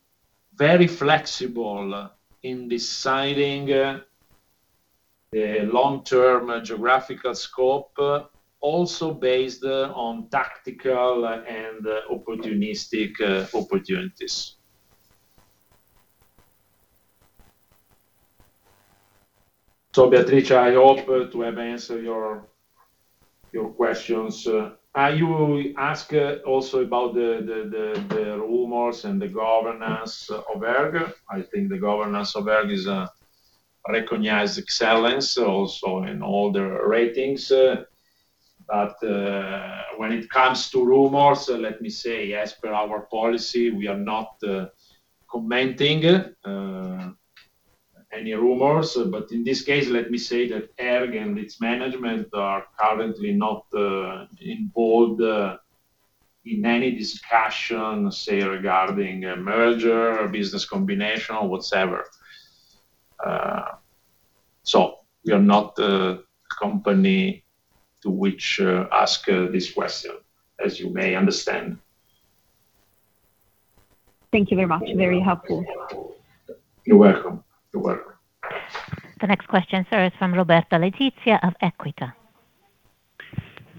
very flexible in deciding a long-term geographical scope also based on tactical and opportunistic opportunities. Beatrice, I hope to have answered your questions. You ask also about the rumors and the governance of ERG. I think the governance of ERG is a recognized excellence also in all the ratings. When it comes to rumors, let me say, as per our policy, we are not commenting any rumors. In this case, let me say that ERG and its management are currently not involved in any discussion, say, regarding a merger or business combination or whatsoever. We are not a company to which ask this question, as you may understand. Thank you very much. Very helpful. You're welcome. The next question, sir, is from Roberto Letizia of Equita.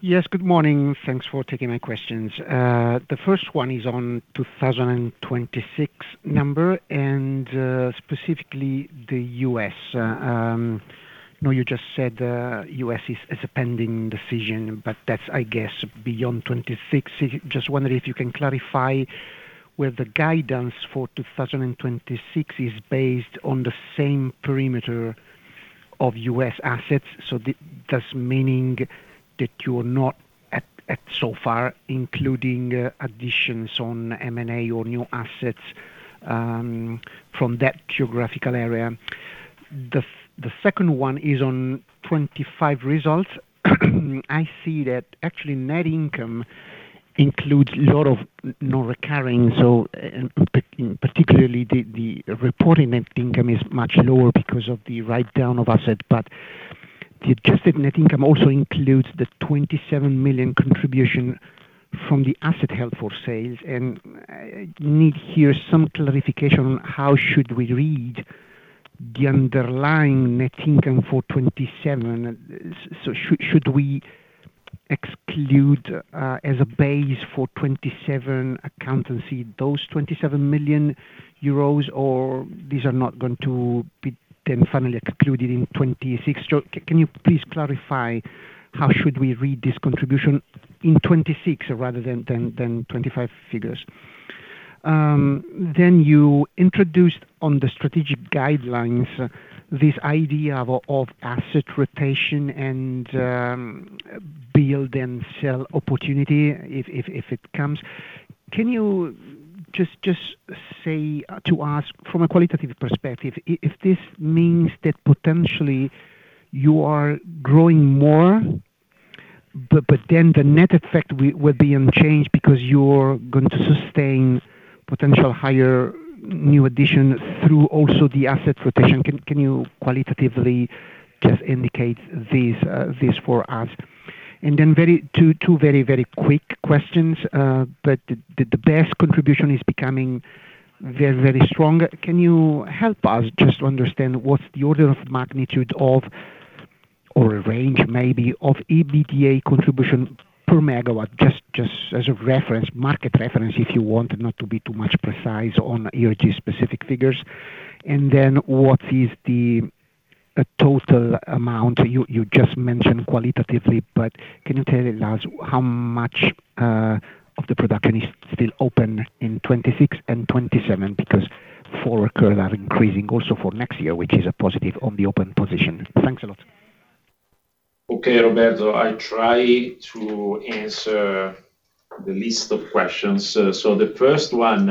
Yes, good morning. Thanks for taking my questions. The first one is on 2026 number and, specifically the US. I know you just said, US is a pending decision, but that's I guess beyond 2026. Just wondering if you can clarify whether the guidance for 2026 is based on the same perimeter of US assets. Thus meaning that you're not so far including additions on M&A or new assets from that geographical area. The second one is on 2025 results. I see that actually net income includes a lot of non-recurring, and particularly the reported net income is much lower because of the write down of assets. The adjusted net income also includes the 27 million contribution from the asset held for sale, and I need here some clarification on how should we read the underlying net income for 2027. Should we exclude, as a base for 2027 accountancy, those 27 million euros, or these are not going to be then finally concluded in 2026? Can you please clarify how should we read this contribution in 2026 rather than 2025 figures? You introduced on the strategic guidelines this idea of asset rotation and build and sell opportunity if it comes. Can you just say to us from a qualitative perspective, if this means that potentially you are growing more, but then the net effect will be unchanged because you're going to sustain potential higher new additions through also the asset rotation. Can you qualitatively just indicate this for us? Two very quick questions. The BESS contribution is becoming very strong. Can you help us just understand what's the order of magnitude of, or range maybe of EBITDA contribution per megawatt? Just as a reference, market reference, if you want, not to be too much precise on ERG specific figures. What is the total amount? You just mentioned qualitatively, but can you tell us how much of the production is still open in 2026 and 2027 because forward curve are increasing also for next year, which is a positive on the open position. Thanks a lot. Okay, Roberto, I try to answer the list of questions. The first one,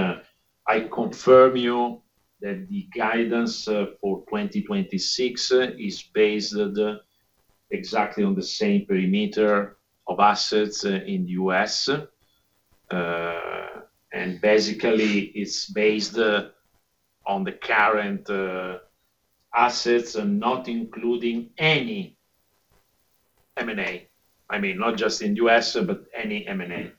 I confirm you that the guidance for 2026 is based exactly on the same perimeter of assets in the U.S. Basically, it's based on the current assets and not including any M&A. I mean, not just in U.S., but any M&A.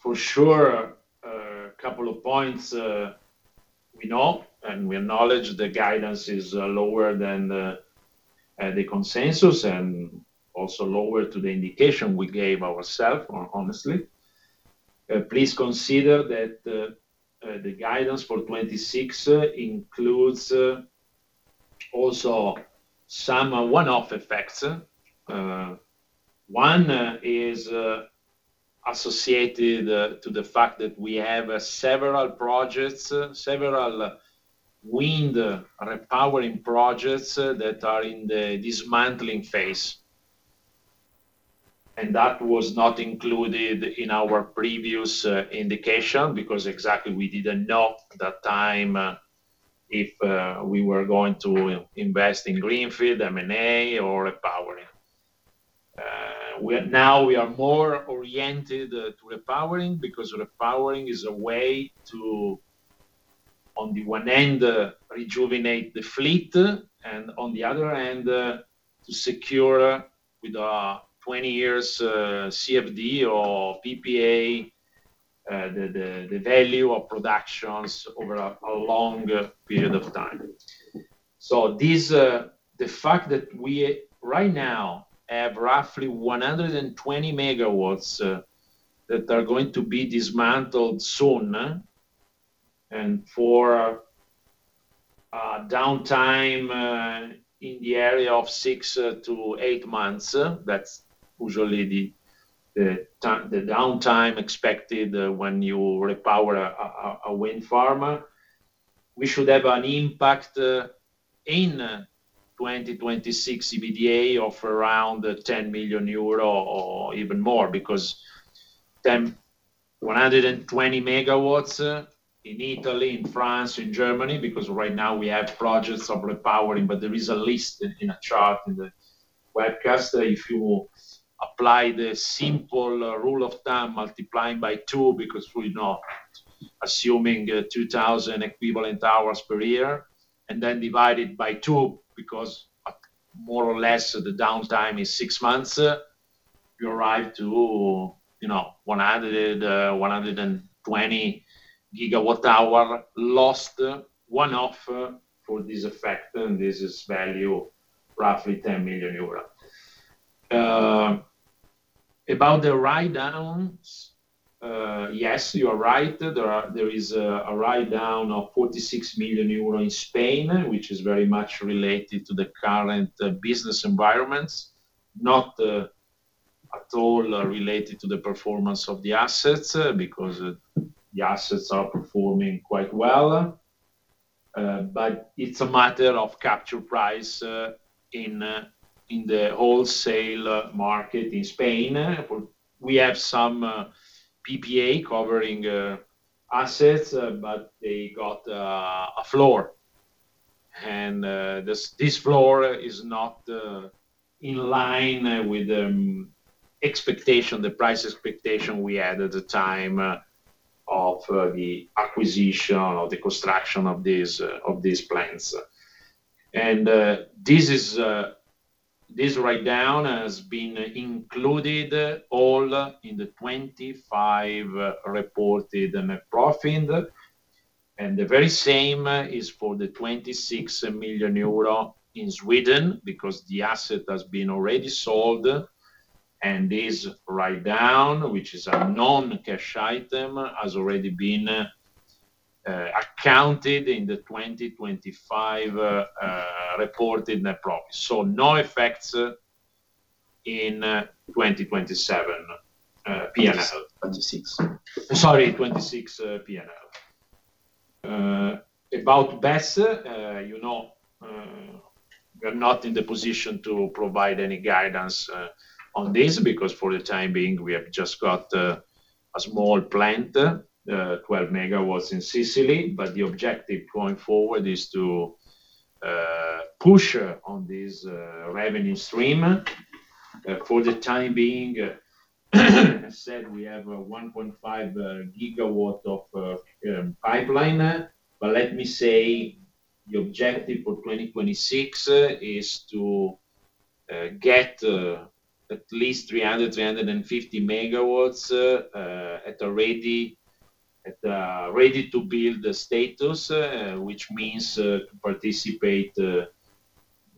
For sure, a couple of points. We know and we acknowledge the guidance is lower than the consensus and also lower than the indication we gave ourselves honestly. Please consider that the guidance for 2026 includes also some one-off effects. One is associated to the fact that we have several wind repowering projects that are in the dismantling phase. That was not included in our previous indication because exactly we didn't know at that time if we were going to invest in greenfield, M&A or repowering. We are now more oriented to repowering because repowering is a way to, on the one hand, rejuvenate the fleet, and on the other hand, to secure with 20 years CFD or PPA the value of productions over a long period of time. The fact that we right now have roughly 120 MW that are going to be dismantled soon, and the downtime in the area of 6-8 months, that's usually the time the downtime expected when you repower a wind farm. We should have an impact in 2026 EBITDA of around 10 million euro or even more because 120 MW in Italy, in France, in Germany, because right now we have projects of repowering, but there is a list in a chart in the webcast. If you apply the simple rule of thumb multiplying by two, because we know assuming 2,000 equivalent hours per year and then divide it by two, because more or less the downtime is six months, you arrive to 120 GWh lost one-off for this effect. This is value roughly 10 million euros. About the write-downs, yes, you are right. There is a write-down of 46 million euro in Spain, which is very much related to the current business environment, not at all related to the performance of the assets, because the assets are performing quite well. But it's a matter of capture price in the wholesale market in Spain. We have some PPA covering assets, but they got a floor and this floor is not in line with the expectation, the price expectation we had at the time of the acquisition or the construction of these plants. This write-down has been included all in the 2025 reported net profit. The very same is for the 26 million euro in Sweden because the asset has been already sold. This write-down, which is a non-cash item, has already been accounted in the 2025 reported net profit. No effects in 2027 P&L. 26. Sorry, 26 P&L. About BESS, you know, we're not in the position to provide any guidance on this because for the time being we have just got a small plant, 12 MW in Sicily. The objective going forward is to push on this revenue stream. For the time being, as said, we have a 1.5 GW of pipeline. Let me say the objective for 2026 is to get at least 350 MW at ready-to-build status, which means participate to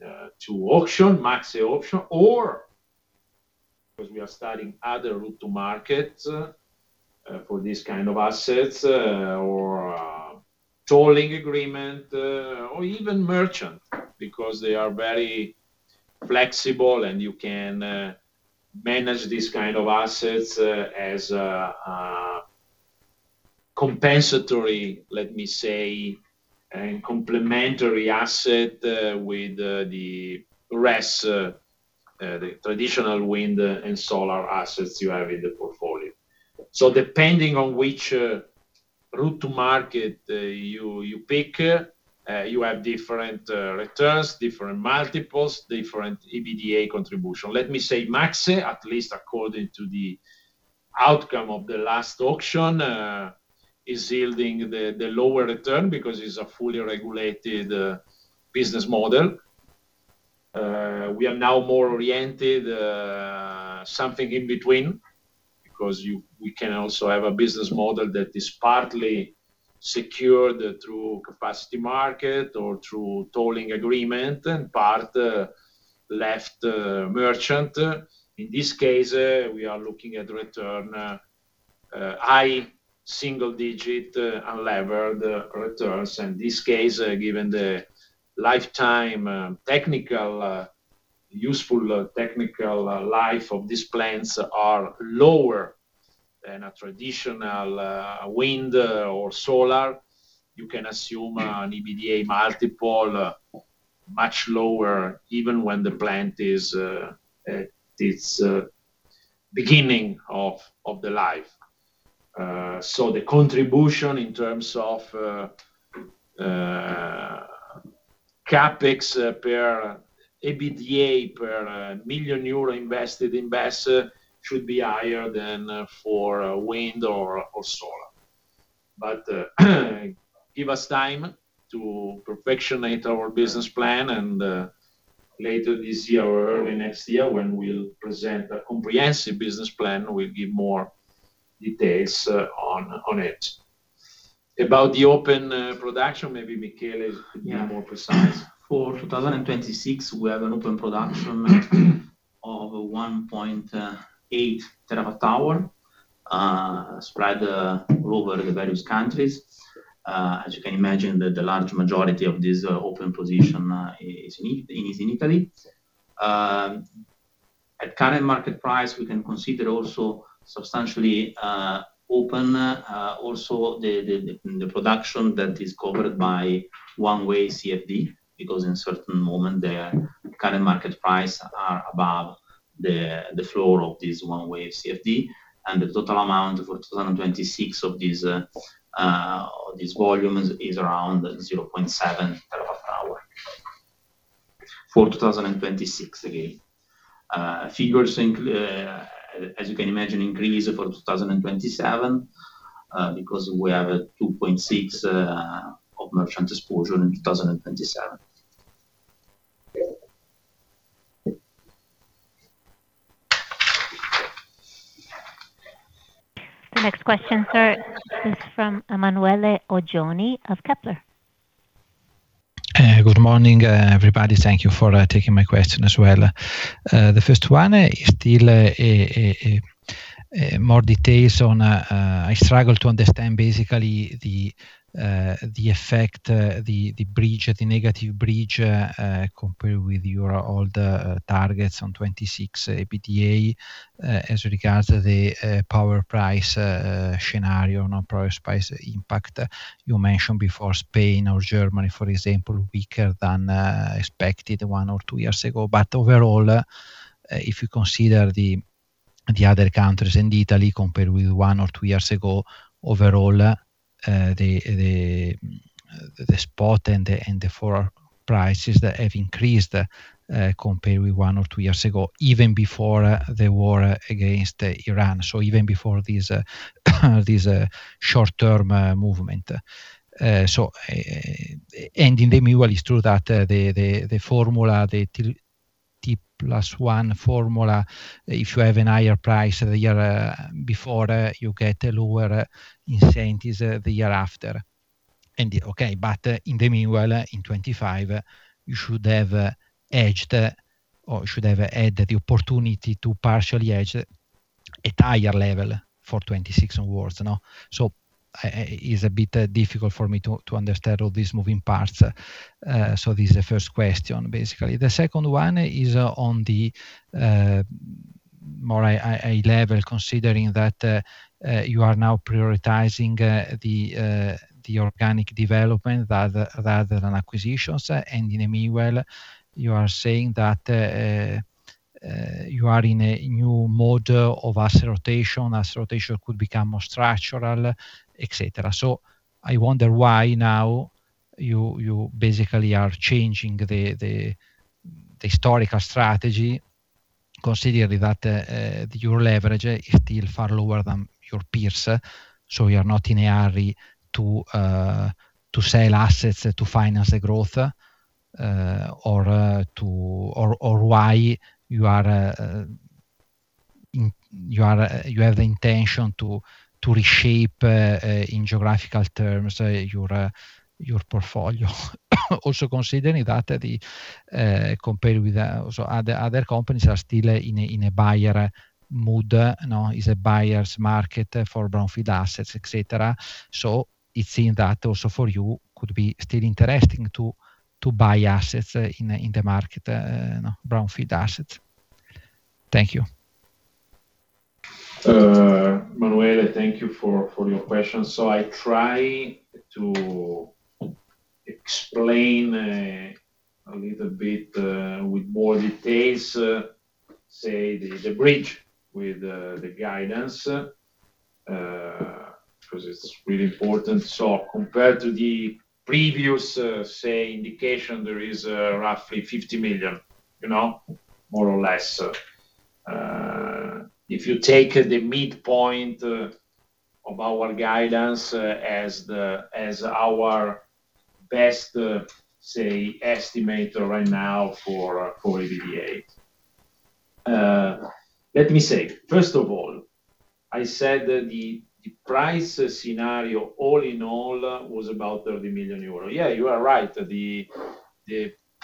MASE auction or, because we are studying other route to markets for this kind of assets, or tolling agreement, or even merchant because they are very flexible and you can manage these kind of assets as compensatory, let me say, and complementary asset with the rest the traditional wind and solar assets you have in the portfolio. Depending on which route to market you pick, you have different returns, different multiples, different EBITDA contribution. Let me say max, at least according to the outcome of the last auction, is yielding the lower return because it's a fully regulated business model. We are now more oriented something in between because we can also have a business model that is partly secured through Capacity Market or through tolling agreement and part left merchant. In this case, we are looking at return high single digit unlevered returns. In this case, given the lifetime technical useful technical life of these plants are lower than a traditional wind or solar. You can assume an EBITDA multiple much lower even when the plant is at its beginning of the life. The contribution in terms of CapEx per EBITDA per 1 million euro invested in assets should be higher than for wind or solar. Give us time to perfect our business plan and later this year or early next year, when we'll present a comprehensive business plan, we'll give more details on it. About the ongoing production, maybe Michele could be more precise. Yeah. For 2026, we have an open production of 1.8 TWh, spread over the various countries. As you can imagine, the large majority of this open position is in Italy. At current market price, we can consider also substantially open also the production that is covered by one-way CFD because in certain moment their current market price are above the floor of this one-way CFD. The total amount for 2026 of these volumes is around 0.7 TWh. For 2026 again. Figures increase for 2027, as you can imagine, because we have a 2.6 of merchant exposure in 2027. The next question, sir, is from Emanuele Oggioni of Kepler. Good morning, everybody. Thank you for taking my question as well. The first one is still more details on. I struggle to understand basically the effect, the negative bridge compared with your older targets on 2026 EBITDA as regards the power price scenario. Not power price impact. You mentioned before Spain or Germany, for example, weaker than expected one or two years ago. Overall, if you consider the other countries in Italy compared with one or two years ago, overall, the spot and the forward prices that have increased compared with one or two years ago, even before the war in Ukraine. Even before this short-term movement. In the meanwhile, it's true that the formula, the T+1 formula, if you have a higher price the year before, you get lower incentives the year after. In the meanwhile, in 2025, you should have hedged or you should have had the opportunity to partially hedge at higher level for 2026 onwards, no? It's a bit difficult for me to understand all these moving parts. This is the first question, basically. The second one is on a more macro level considering that you are now prioritizing the organic development rather than acquisitions. In the meanwhile, you are saying that you are in a new mode of asset rotation. Asset rotation could become more structural, et cetera. I wonder why now you basically are changing the historical strategy considering that your leverage is still far lower than your peers. You are not in a hurry to sell assets to finance the growth, or why you have the intention to reshape in geographical terms your portfolio. Also considering that compared with other companies are still in a buyer mood. No, it's a buyer's market for brownfield assets, et cetera. It seems that also for you could be still interesting to buy assets in the market, brownfield assets. Thank you. Emanuele, thank you for your questions. I try to explain a little bit with more details the bridge with the guidance because it's really important. Compared to the previous indication, there is roughly 50 million, you know, more or less. If you take the midpoint of our guidance as our best estimate right now for EBITDA. Let me say, first of all, I said that the price scenario all in all was about 30 million euro. Yeah, you are right. The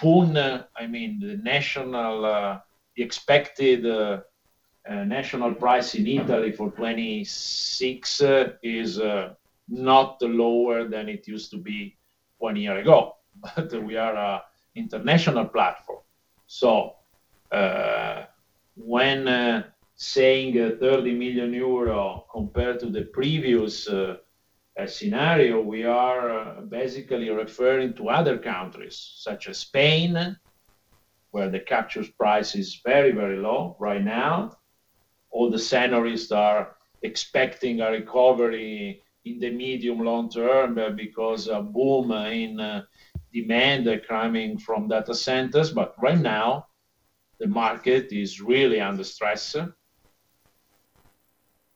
PUN, I mean, the expected national price in Italy for 2026 is not lower than it used to be one year ago, but we are an international platform. When saying 30 million euro compared to the previous scenario, we are basically referring to other countries such as Spain, where the capture price is very, very low right now. All the scenarists are expecting a recovery in the medium long term because a boom in demand are coming from data centers. Right now, the market is really under stress.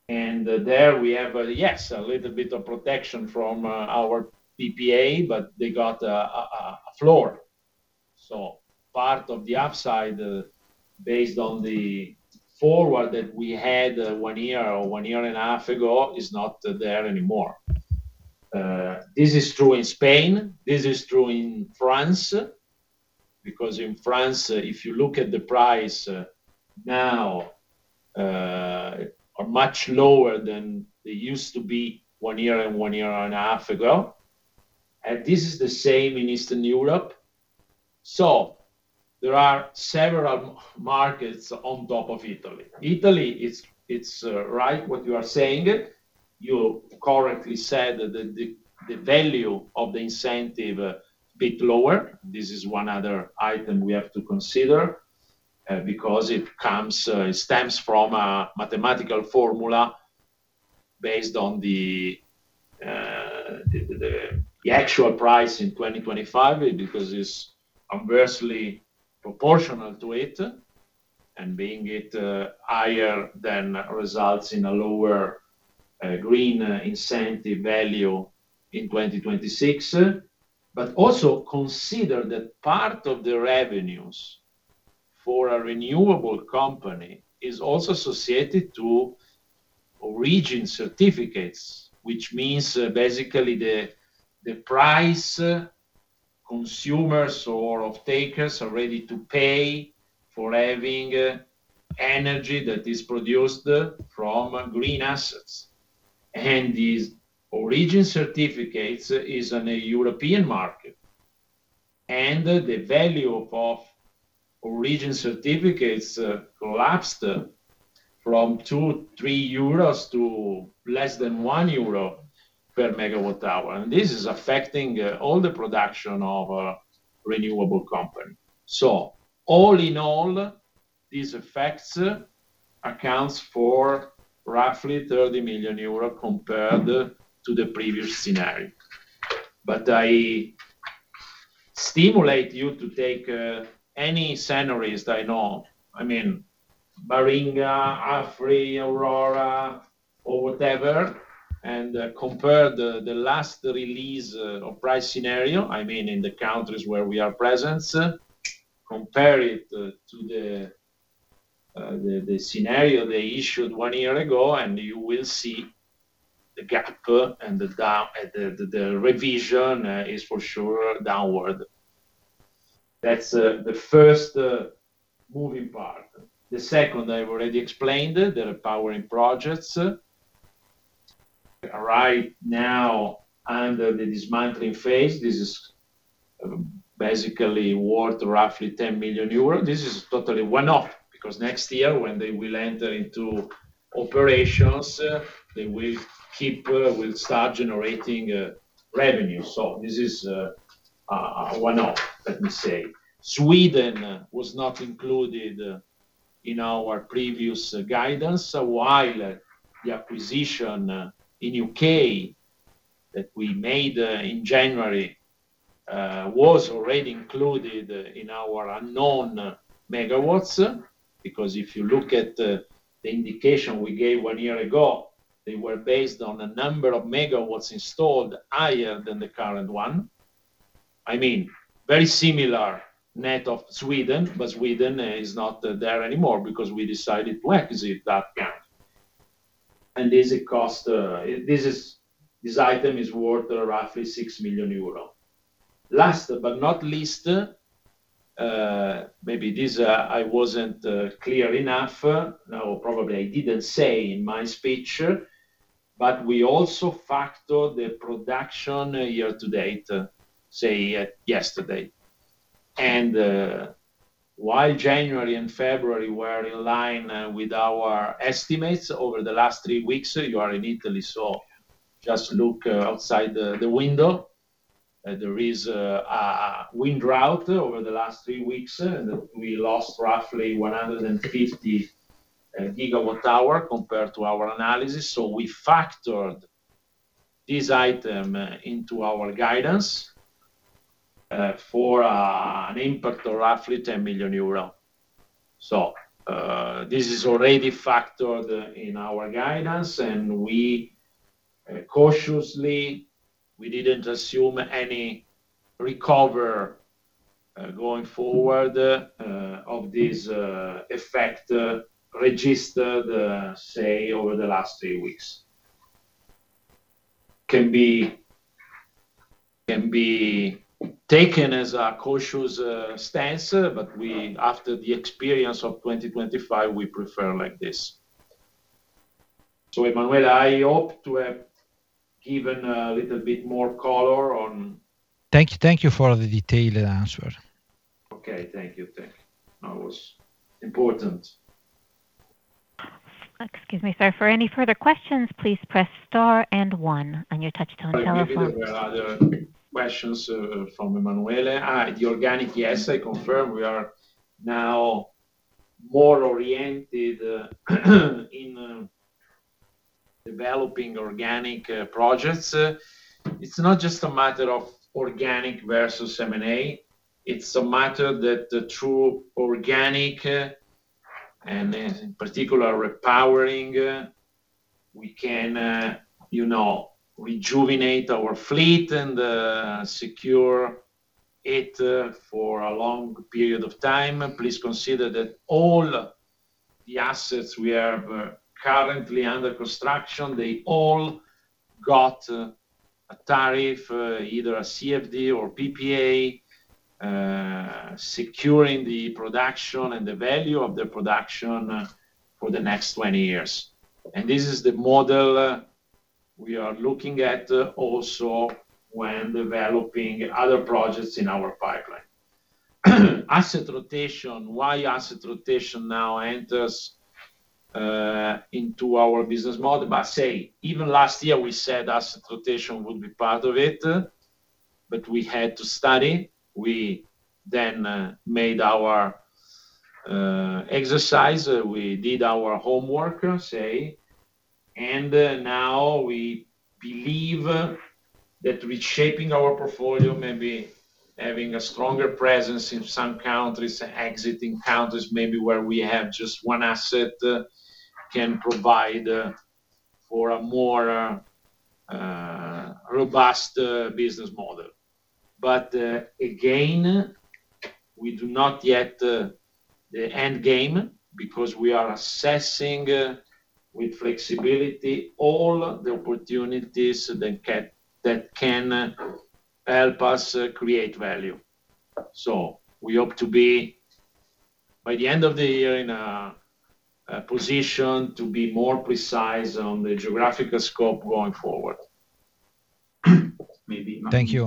There we have, yes, a little bit of protection from our PPA, but they got a floor. Part of the upside based on the forward that we had one year or one year and a half ago is not there anymore. This is true in Spain, this is true in France, because in France, if you look at the price now, are much lower than they used to be one year and one year and a half ago. This is the same in Eastern Europe. There are several markets on top of Italy. Italy, it's right what you are saying. You correctly said that the value of the incentive a bit lower. This is one other item we have to consider, because it comes, it stems from a mathematical formula based on the actual price in 2025, because it's inversely proportional to it. Being it higher than results in a lower green incentive value in 2026. But also consider that part of the revenues for a renewable company is also associated to origin certificates, which means basically the price consumers or off-takers are ready to pay for having energy that is produced from green assets. These origin certificates is on a European market. The value of Guarantees of Origin collapsed from 2-3 euros to less than 1 euro per megawatt hour. This is affecting all the production of a renewable company. All in all, these effects accounts for roughly 30 million euros compared to the previous scenario. I stimulate you to take any scenario I know, I mean, Baringa, AFRY, Aurora or whatever, and compare the last release of price scenario, I mean, in the countries where we are present, compare it to the scenario they issued one year ago, and you will see the gap and the downward revision is for sure downward. That's the first moving part. The second I've already explained, the repowering projects are right now under the dismantling phase. This is basically worth roughly 10 million euros. This is totally one-off, because next year when they will enter into operations, they will start generating revenue. This is a one-off, let me say. Sweden was not included in our previous guidance, while the acquisition in the UK that we made in January was already included in our 73 MW. Because if you look at the indication we gave 1 year ago, they were based on a number of megawatts installed higher than the current one. I mean, very similar net of Sweden, but Sweden is not there anymore because we decided to exit that country. This item is worth roughly 6 million euro. Last but not least, maybe this I wasn't clear enough. No, probably I didn't say in my speech, but we also factor the production year to date, say yesterday. While January and February were in line with our estimates, over the last three weeks, you are in Italy, so just look outside the window. There is a wind drought over the last three weeks, and we lost roughly 150 GWh compared to our analysis. We factored this item into our guidance for an impact of roughly 10 million euro. This is already factored in our guidance, and we cautiously. We didn't assume any recovery going forward of this effect registered, say, over the last three weeks. Can be taken as a cautious stance, but we. After the experience of 2025, we prefer like this. Emanuele, I hope to have given a little bit more color on- Thank you. Thank you for the detailed answer. Okay. Thank you. Thank you. That was important. Excuse me, sir. For any further questions, please press star and one on your touch-tone telephones. Maybe there were other questions from Emanuele. The organic, yes, I confirm. We are now more oriented in developing organic projects. It's not just a matter of organic versus M&A. It's a matter that through organic and in particular repowering, we can, you know, rejuvenate our fleet and secure it for a long period of time. Please consider that all the assets we have currently under construction, they all got a tariff, either a CFD or PPA, securing the production and the value of the production for the next 20 years. This is the model we are looking at also when developing other projects in our pipeline. Asset rotation. Why asset rotation now enters into our business model? Say, even last year we said asset rotation will be part of it, but we had to study. We then made our exercise. We did our homework, say. Now we believe that reshaping our portfolio, maybe having a stronger presence in some countries, exiting countries maybe where we have just one asset, can provide for a more robust business model. Again, we do not yet know the end game, because we are assessing with flexibility all the opportunities that can help us create value. We hope to be, by the end of the year, in a position to be more precise on the geographical scope going forward. Maybe Thank you.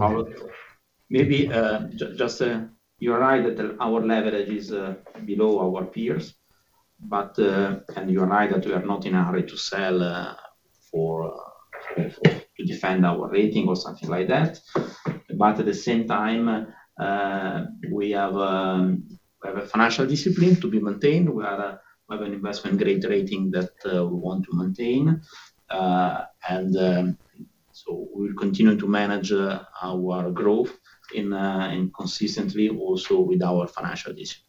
You are right that our leverage is below our peers, but you are right that we are not in a hurry to sell to defend our rating or something like that. At the same time, we have a financial discipline to be maintained. We have an investment grade rating that we want to maintain. We'll continue to manage our growth consistently also with our financial discipline.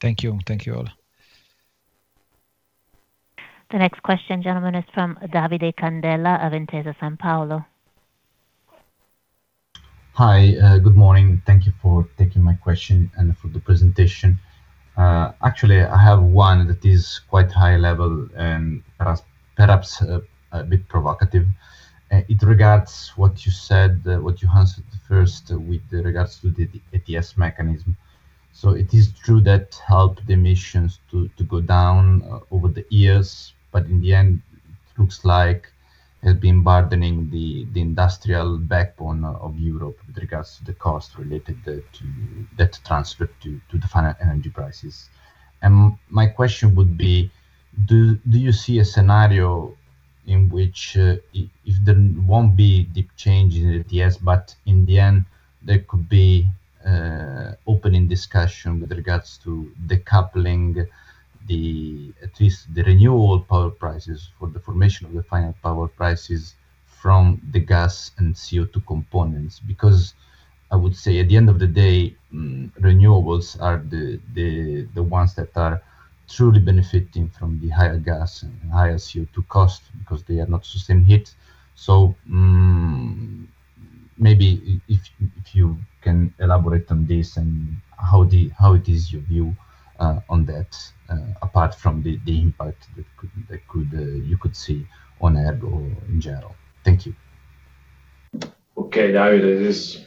Thank you. Thank you all. The next question, gentlemen, is from Davide Candela of Intesa Sanpaolo. Hi. Good morning. Thank you for taking my question and for the presentation. Actually, I have one that is quite high level and perhaps a bit provocative. It regards what you said, what you answered first with regards to the ETS mechanism. It is true that helped emissions to go down over the years, but in the end, looks like it has been burdening the industrial backbone of Europe with regards to the cost related to that transfer to the final energy prices. My question would be, do you see a scenario in which, if there won't be deep change in the ETS, but in the end, there could be open to discussion with regards to decoupling the, at least the renewable power prices for the formation of the final power prices from the gas and CO2 components. Because I would say, at the end of the day, renewables are the ones that are truly benefiting from the higher gas and higher CO2 cost because they are not sustaining the hit. Maybe if you can elaborate on this and how it is your view on that, apart from the impact that you could see on ERG in general. Thank you. Davide, it is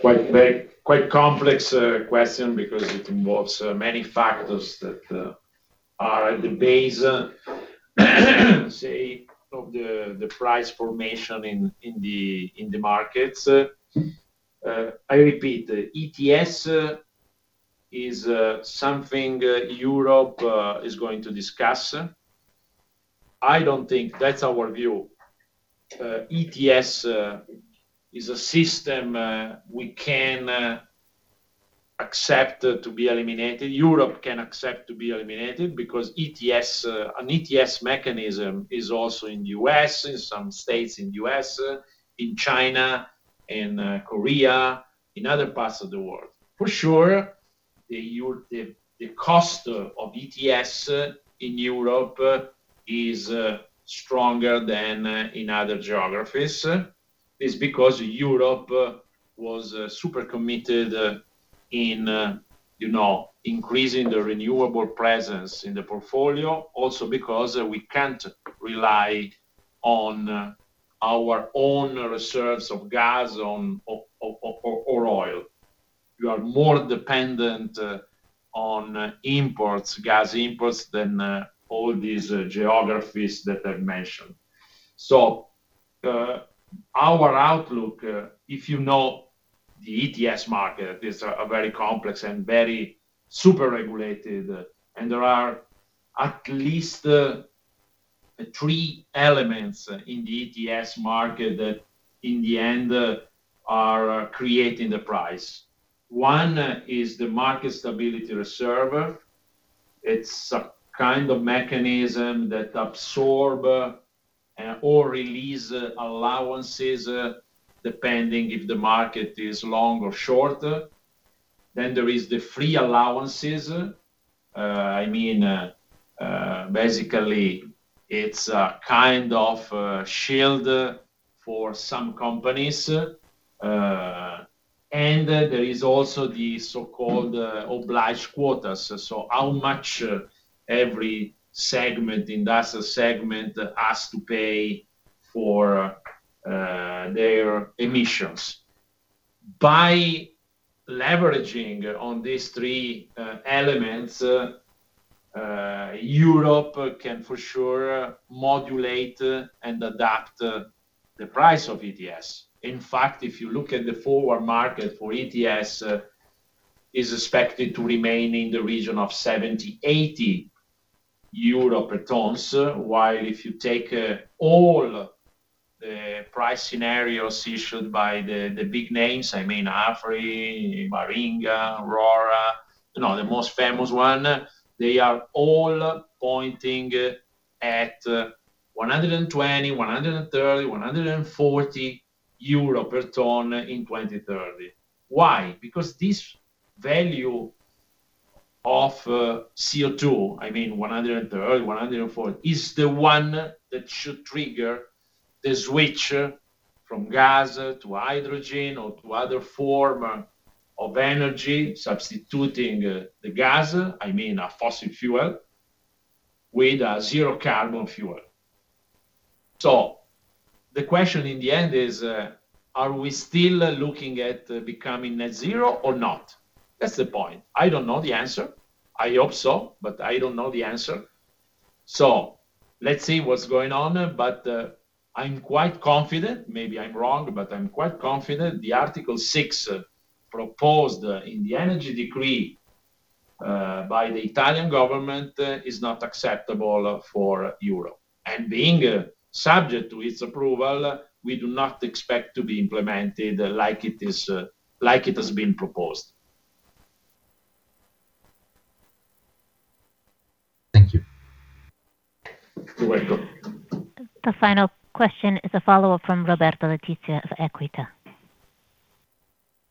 quite, very, quite complex question because it involves many factors that are at the base, say, of the price formation in the markets. I repeat, ETS is something Europe is going to discuss. I don't think. That's our view. ETS is a system we cannot accept to be eliminated. Europe cannot accept to be eliminated because ETS, an ETS mechanism is also in U.S., in some states in U.S., in China, in Korea, in other parts of the world. For sure, the cost of ETS in Europe is stronger than in other geographies because Europe was super committed in you know, increasing the renewable presence in the portfolio. Also because we can't rely on our own reserves of gas or on oil. We are more dependent on imports, gas imports than all these geographies that I've mentioned. Our outlook, if you know the ETS market is a very complex and very super regulated, and there are at least three elements in the ETS market that in the end are creating the price. One is the Market Stability Reserve. It's a kind of mechanism that absorb or release allowances depending if the market is long or short. There is the Free Allowances. I mean, basically, it's a kind of shield for some companies. There is also the so-called obliged quotas. How much every segment, industrial segment has to pay for their emissions. By leveraging on these three elements, Europe can for sure modulate and adapt the price of ETS. In fact, if you look at the forward market for ETS, is expected to remain in the region of 70-80 euro per ton. While if you take all the price scenarios issued by the big names, I mean, AFRY, Baringa, Aurora, you know, the most famous one, they are all pointing at 120, 130, 140 euro per ton in 2030. Why? Because this value of CO2, I mean, 130, 140, is the one that should trigger the switch from gas to hydrogen or to other form of energy, substituting the gas, I mean a fossil fuel, with a zero carbon fuel. The question in the end is, are we still looking at becoming Net Zero or not? That's the point. I don't know the answer. I hope so, but I don't know the answer. Let's see what's going on. I'm quite confident, maybe I'm wrong, but I'm quite confident the Article 6 proposed in the Energy Decree by the Italian government is not acceptable for Europe. Being subject to its approval, we do not expect to be implemented like it is, like it has been proposed. Thank you. You're welcome. The final question is a follow-up from Roberto Letizia of Equita.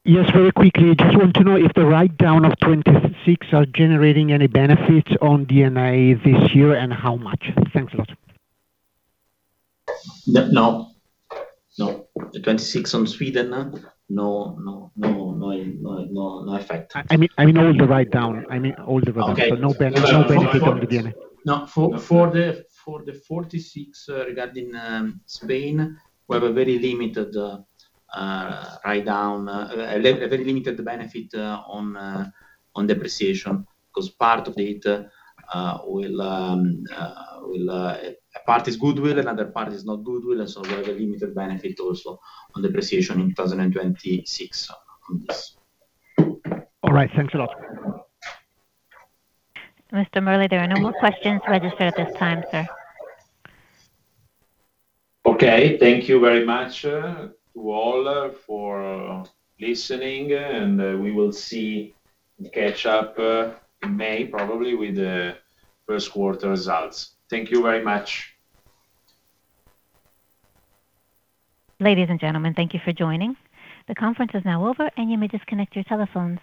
Yes, very quickly. Just want to know if the write-down of 26 are generating any benefits on D&A this year and how much? Thanks a lot. No. The 26 on Sweden? No effect. I mean all the writedown. Okay. No benefit on the D&A. No. For the 46 regarding Spain, we have a very limited write down. A very limited benefit on depreciation, because part of it will. Part is goodwill and other part is not goodwill. We have a limited benefit also on depreciation in 2026 on this. All right. Thanks a lot. Mr. Merli, there are no more questions registered at this time, sir. Okay. Thank you very much to all for listening, and we will see and catch up in May, probably with the first quarter results. Thank you very much. Ladies and gentlemen, thank you for joining. The conference is now over, and you may disconnect your telephones.